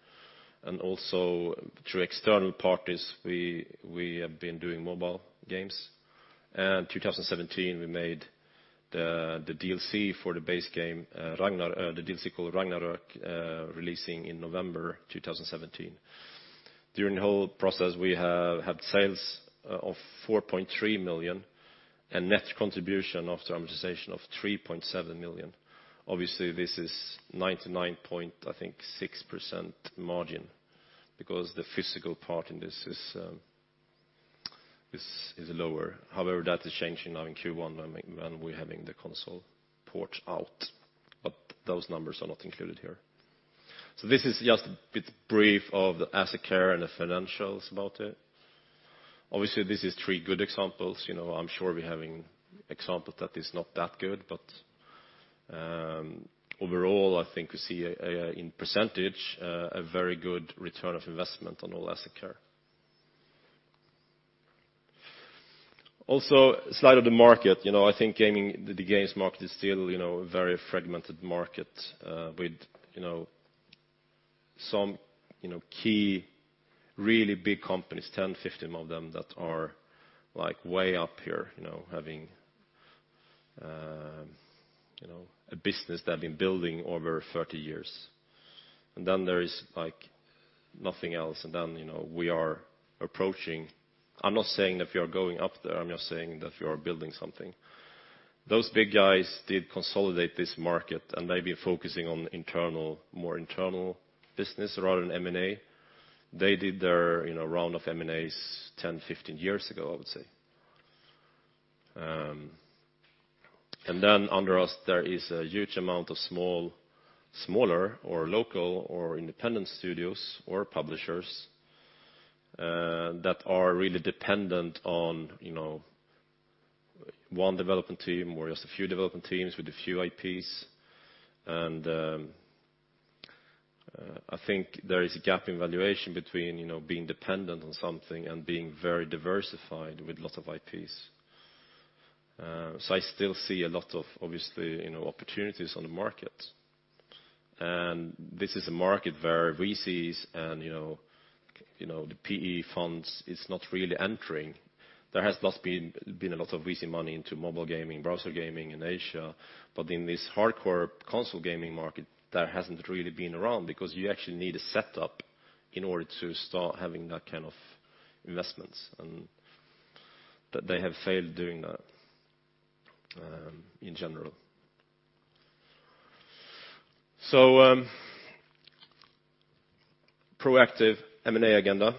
Also through external parties, we have been doing mobile games. 2017, we made the DLC for the base game, the DLC called "Ragnarok," releasing in November 2017. During the whole process, we have had sales of 4.3 million and net contribution after amortization of 3.7 million. Obviously, this is 99.6% margin because the physical part in this is lower. However, that is changing now in Q1 when we're having the console port out. Those numbers are not included here. This is just a bit brief of the asset care and the financials about it. Obviously, this is three good examples. I'm sure we're having example that is not that good. Overall, I think we see, in percentage, a very good return of investment on all asset care. Also slide of the market. I think the games market is still a very fragmented market with some key really big companies, 10, 15 of them that are way up here having a business they've been building over 30 years. There is nothing else. We are approaching I'm not saying that we are going up there, I'm just saying that we are building something. Those big guys did consolidate this market, and they've been focusing on more internal business rather than M&A. They did their round of M&As 10, 15 years ago, I would say. Under us, there is a huge amount of smaller or local or independent studios or publishers that are really dependent on one development team or just a few development teams with a few IPs. I think there is a gap in valuation between being dependent on something and being very diversified with lots of IPs. I still see a lot of, obviously, opportunities on the market. This is a market where VCs and the PE funds is not really entering. There has not been a lot of VC money into mobile gaming, browser gaming in Asia. In this hardcore console gaming market, that hasn't really been around because you actually need a setup in order to start having that kind of investments. That they have failed doing that in general. Proactive M&A agenda.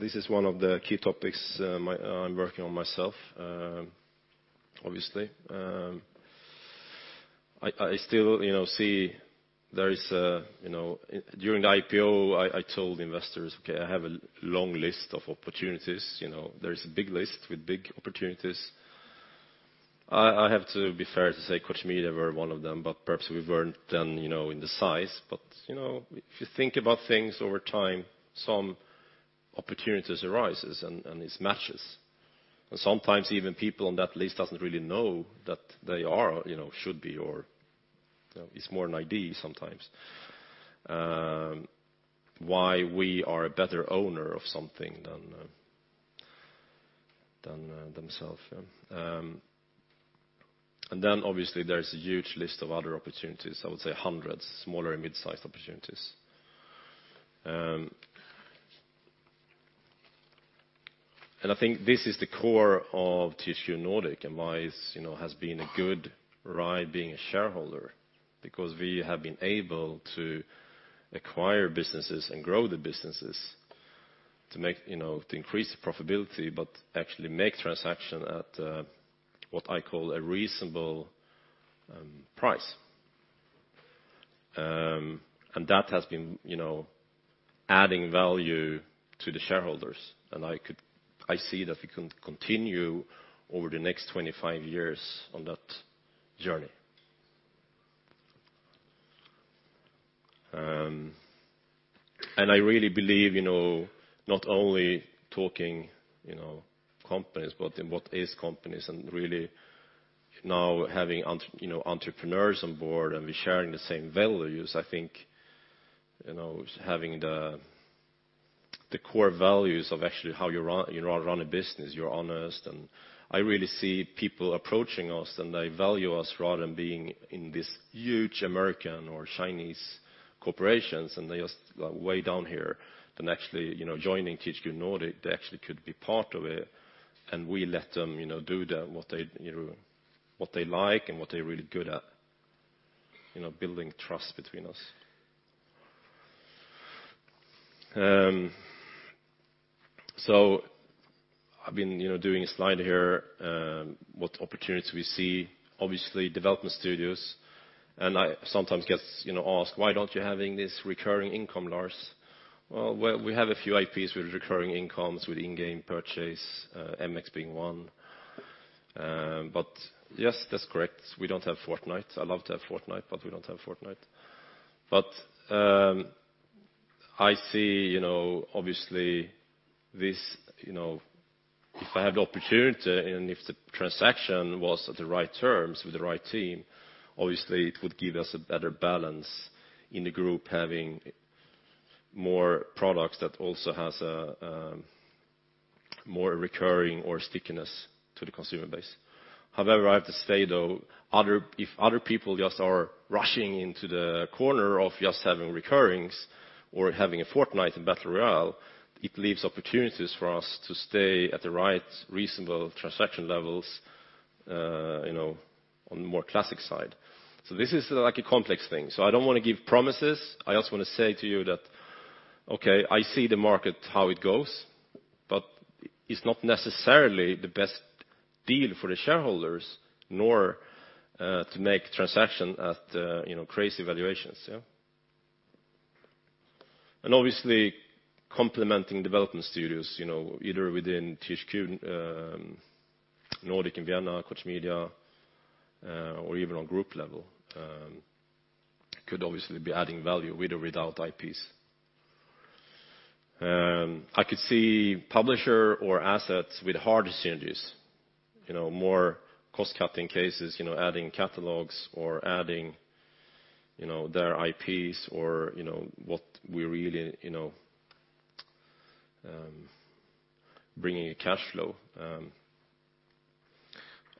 This is one of the key topics I'm working on myself obviously. During the IPO, I told investors, "Okay, I have a long list of opportunities." There is a big list with big opportunities. I have to be fair to say Koch Media were one of them, but perhaps we weren't in the size. If you think about things over time, some opportunities arises and it matches. Sometimes even people on that list doesn't really know that they should be, or it's more an idea sometimes why we are a better owner of something than themself. Obviously there's a huge list of other opportunities, I would say hundreds, smaller and mid-sized opportunities. I think this is the core of THQ Nordic and why it has been a good ride being a shareholder because we have been able to acquire businesses and grow the businesses to increase the profitability, but actually make transaction at what I call a reasonable price. That has been adding value to the shareholders. I see that we can continue over the next 25 years on that journey. I really believe, not only talking companies, but in what is companies, and really now having entrepreneurs on board and we're sharing the same values. I think having the core values of actually how you run a business. You're honest. I really see people approaching us, and they value us rather than being in this huge American or Chinese corporations, and they're just way down here than actually joining THQ Nordic. They actually could be part of it, and we let them do what they like and what they're really good at, building trust between us. I've been doing a slide here what opportunities we see, obviously development studios. I sometimes get asked, "Why don't you having this recurring income, Lars?" Well, we have a few IPs with recurring incomes with in-game purchase, MX being one. Yes, that's correct. We don't have Fortnite. I'd love to have Fortnite. We don't have Fortnite. I see, obviously, if I have the opportunity and if the transaction was at the right terms with the right team, obviously, it would give us a better balance in the group having more products that also has more recurring or stickiness to the consumer base. However, I have to say, though, if other people just are rushing into the corner of just having recurrings or having a Fortnite and battle royale, it leaves opportunities for us to stay at the right, reasonable transaction levels on the more classic side. This is a complex thing. I don't want to give promises. I see the market, how it goes, but it's not necessarily the best deal for the shareholders, nor to make transaction at crazy valuations. Obviously, complementing development studios, either within THQ Nordic, in Vienna, Koch Media, or even on group level, could obviously be adding value with or without IPs. I could see publisher or assets with hard synergies. More cost-cutting cases, adding catalogs or adding their IPs or what we're really bringing in cash flow.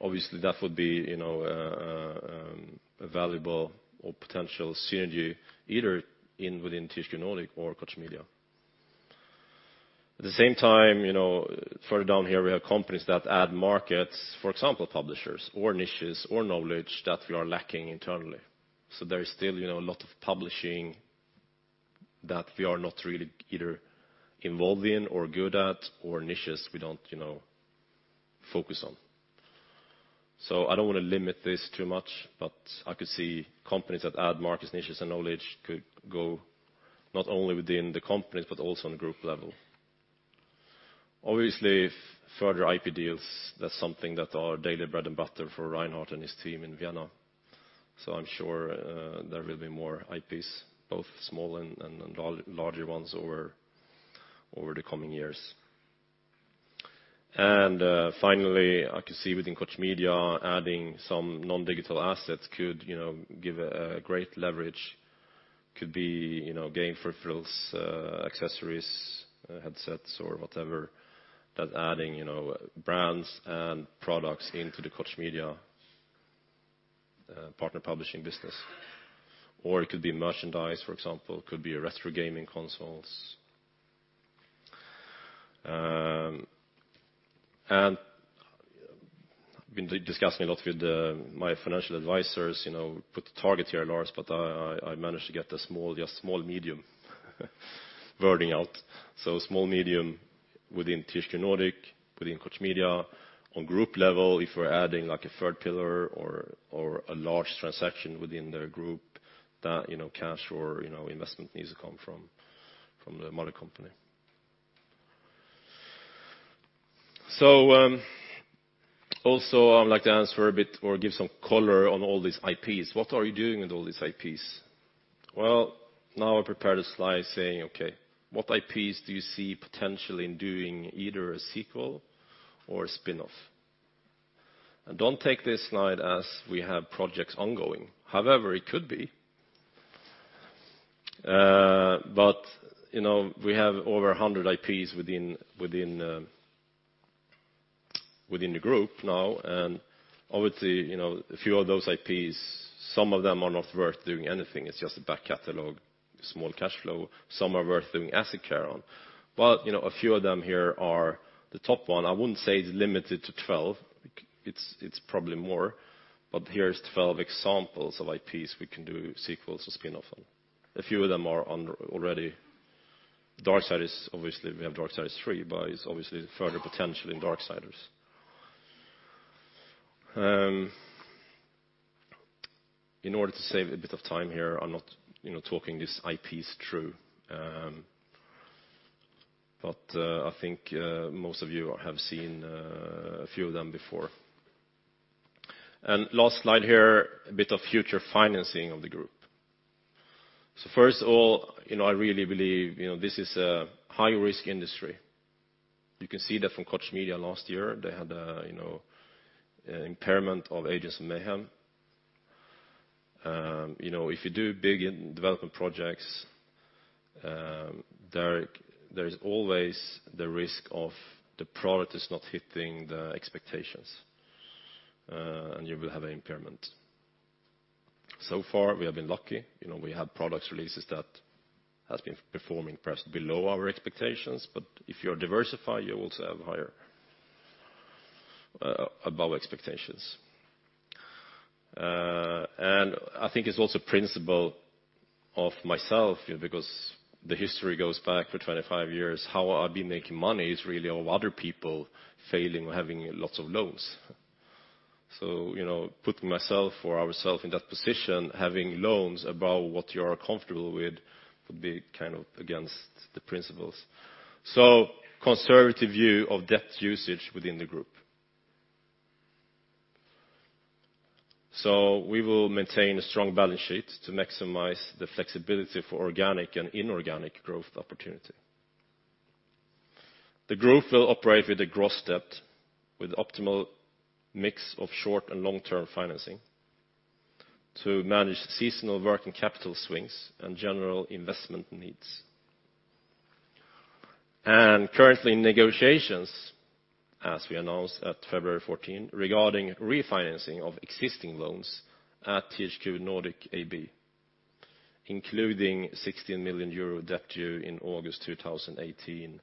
Obviously, that would be a valuable or potential synergy either in within THQ Nordic or Koch Media. At the same time, further down here, we have companies that add markets, for example, publishers or niches or knowledge that we are lacking internally. There is still a lot of publishing that we are not really either involved in or good at, or niches we don't focus on. I don't want to limit this too much, but I could see companies that add markets, niches, and knowledge could go not only within the companies, but also on the group level. Obviously, further IP deals, that's something that are daily bread and butter for Reinhard and his team in Vienna. I'm sure there will be more IPs, both small and larger ones over the coming years. Finally, I could see within Koch Media, adding some non-digital assets could give a great leverage. Could be game peripherals, accessories, headsets or whatever, that adding brands and products into the Koch Media partner publishing business. Or it could be merchandise, for example, could be retro gaming consoles. Been discussing a lot with my financial advisors, put the target here, Lars, but I managed to get a small, just small medium wording out. Small, medium within THQ Nordic, within Koch Media. On group level, if we're adding a third pillar or a large transaction within their group that cash or investment needs to come from the mother company. Also I would like to answer a bit or give some color on all these IPs. What are you doing with all these IPs? Well, now I prepared a slide saying, okay, what IPs do you see potential in doing either a sequel or a spinoff? Don't take this slide as we have projects ongoing. However, it could be. But we have over 100 IPs within the group now, and obviously, a few of those IPs, some of them are not worth doing anything. It's just a back catalog, small cash flow. Some are worth doing asset care on. But a few of them here are the top one, I wouldn't say it's limited to 12. It's probably more, but here is 12 examples of IPs we can do sequels or spinoff on. A few of them are on already. Darksiders, obviously, we have Darksiders III, but it's obviously further potential in Darksiders. In order to save a bit of time here, I'm not talking these IPs through. But I think most of you have seen a few of them before. Last slide here, a bit of future financing of the group. First of all, I really believe this is a high-risk industry. You can see that from Koch Media last year, they had an impairment of Agents of Mayhem. If you do big development projects, there is always the risk of the product is not hitting the expectations, and you will have an impairment. So far, we have been lucky. We have product releases that has been performing perhaps below our expectations, but if you are diversified, you also have higher above expectations. I think it's also principle of myself, because the history goes back for 25 years. How I've been making money is really of other people failing or having lots of loans. Putting myself or ourselves in that position, having loans above what you are comfortable with would be kind of against the principles. Conservative view of debt usage within the group. We will maintain a strong balance sheet to maximize the flexibility for organic and inorganic growth opportunity. The group will operate with a gross debt with optimal mix of short and long-term financing to manage seasonal working capital swings and general investment needs. Currently in negotiations, as we announced at February 14, regarding refinancing of existing loans at THQ Nordic AB, including 60 million euro debt due in August 2018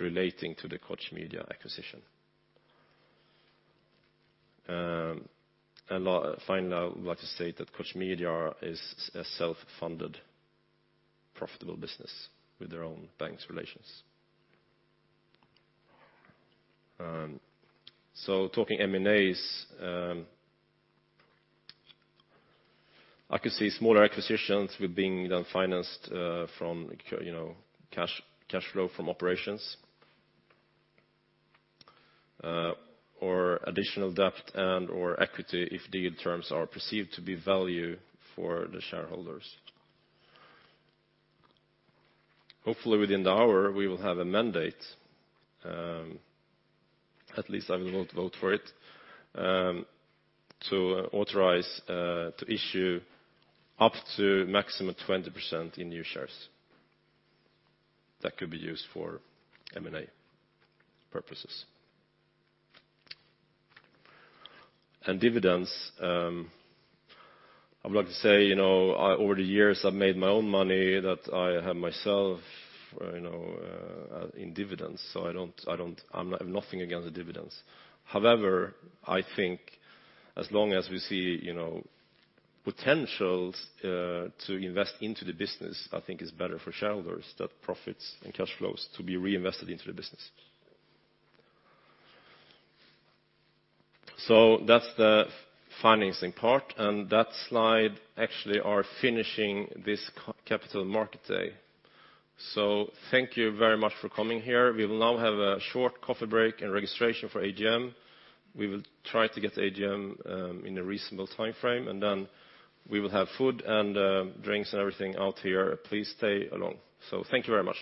relating to the Koch Media acquisition. Finally, I would like to state that Koch Media is a self-funded, profitable business with their own banks relations. Talking M&As, I could see smaller acquisitions with being then financed from cash flow from operations or additional debt and/or equity if deal terms are perceived to be value for the shareholders. Hopefully within the hour, we will have a mandate. At least I will vote for it, to authorize to issue up to maximum 20% in new shares that could be used for M&A purposes. Dividends, I would like to say, over the years, I've made my own money that I have myself in dividends. I have nothing against the dividends. However, I think as long as we see potentials to invest into the business, I think it's better for shareholders that profits and cash flows to be reinvested into the business. That's the financing part, and that slide actually are finishing this Capital Market Day. Thank you very much for coming here. We will now have a short coffee break and registration for AGM. We will try to get the AGM in a reasonable timeframe, and then we will have food and drinks and everything out here. Please stay along. Thank you very much.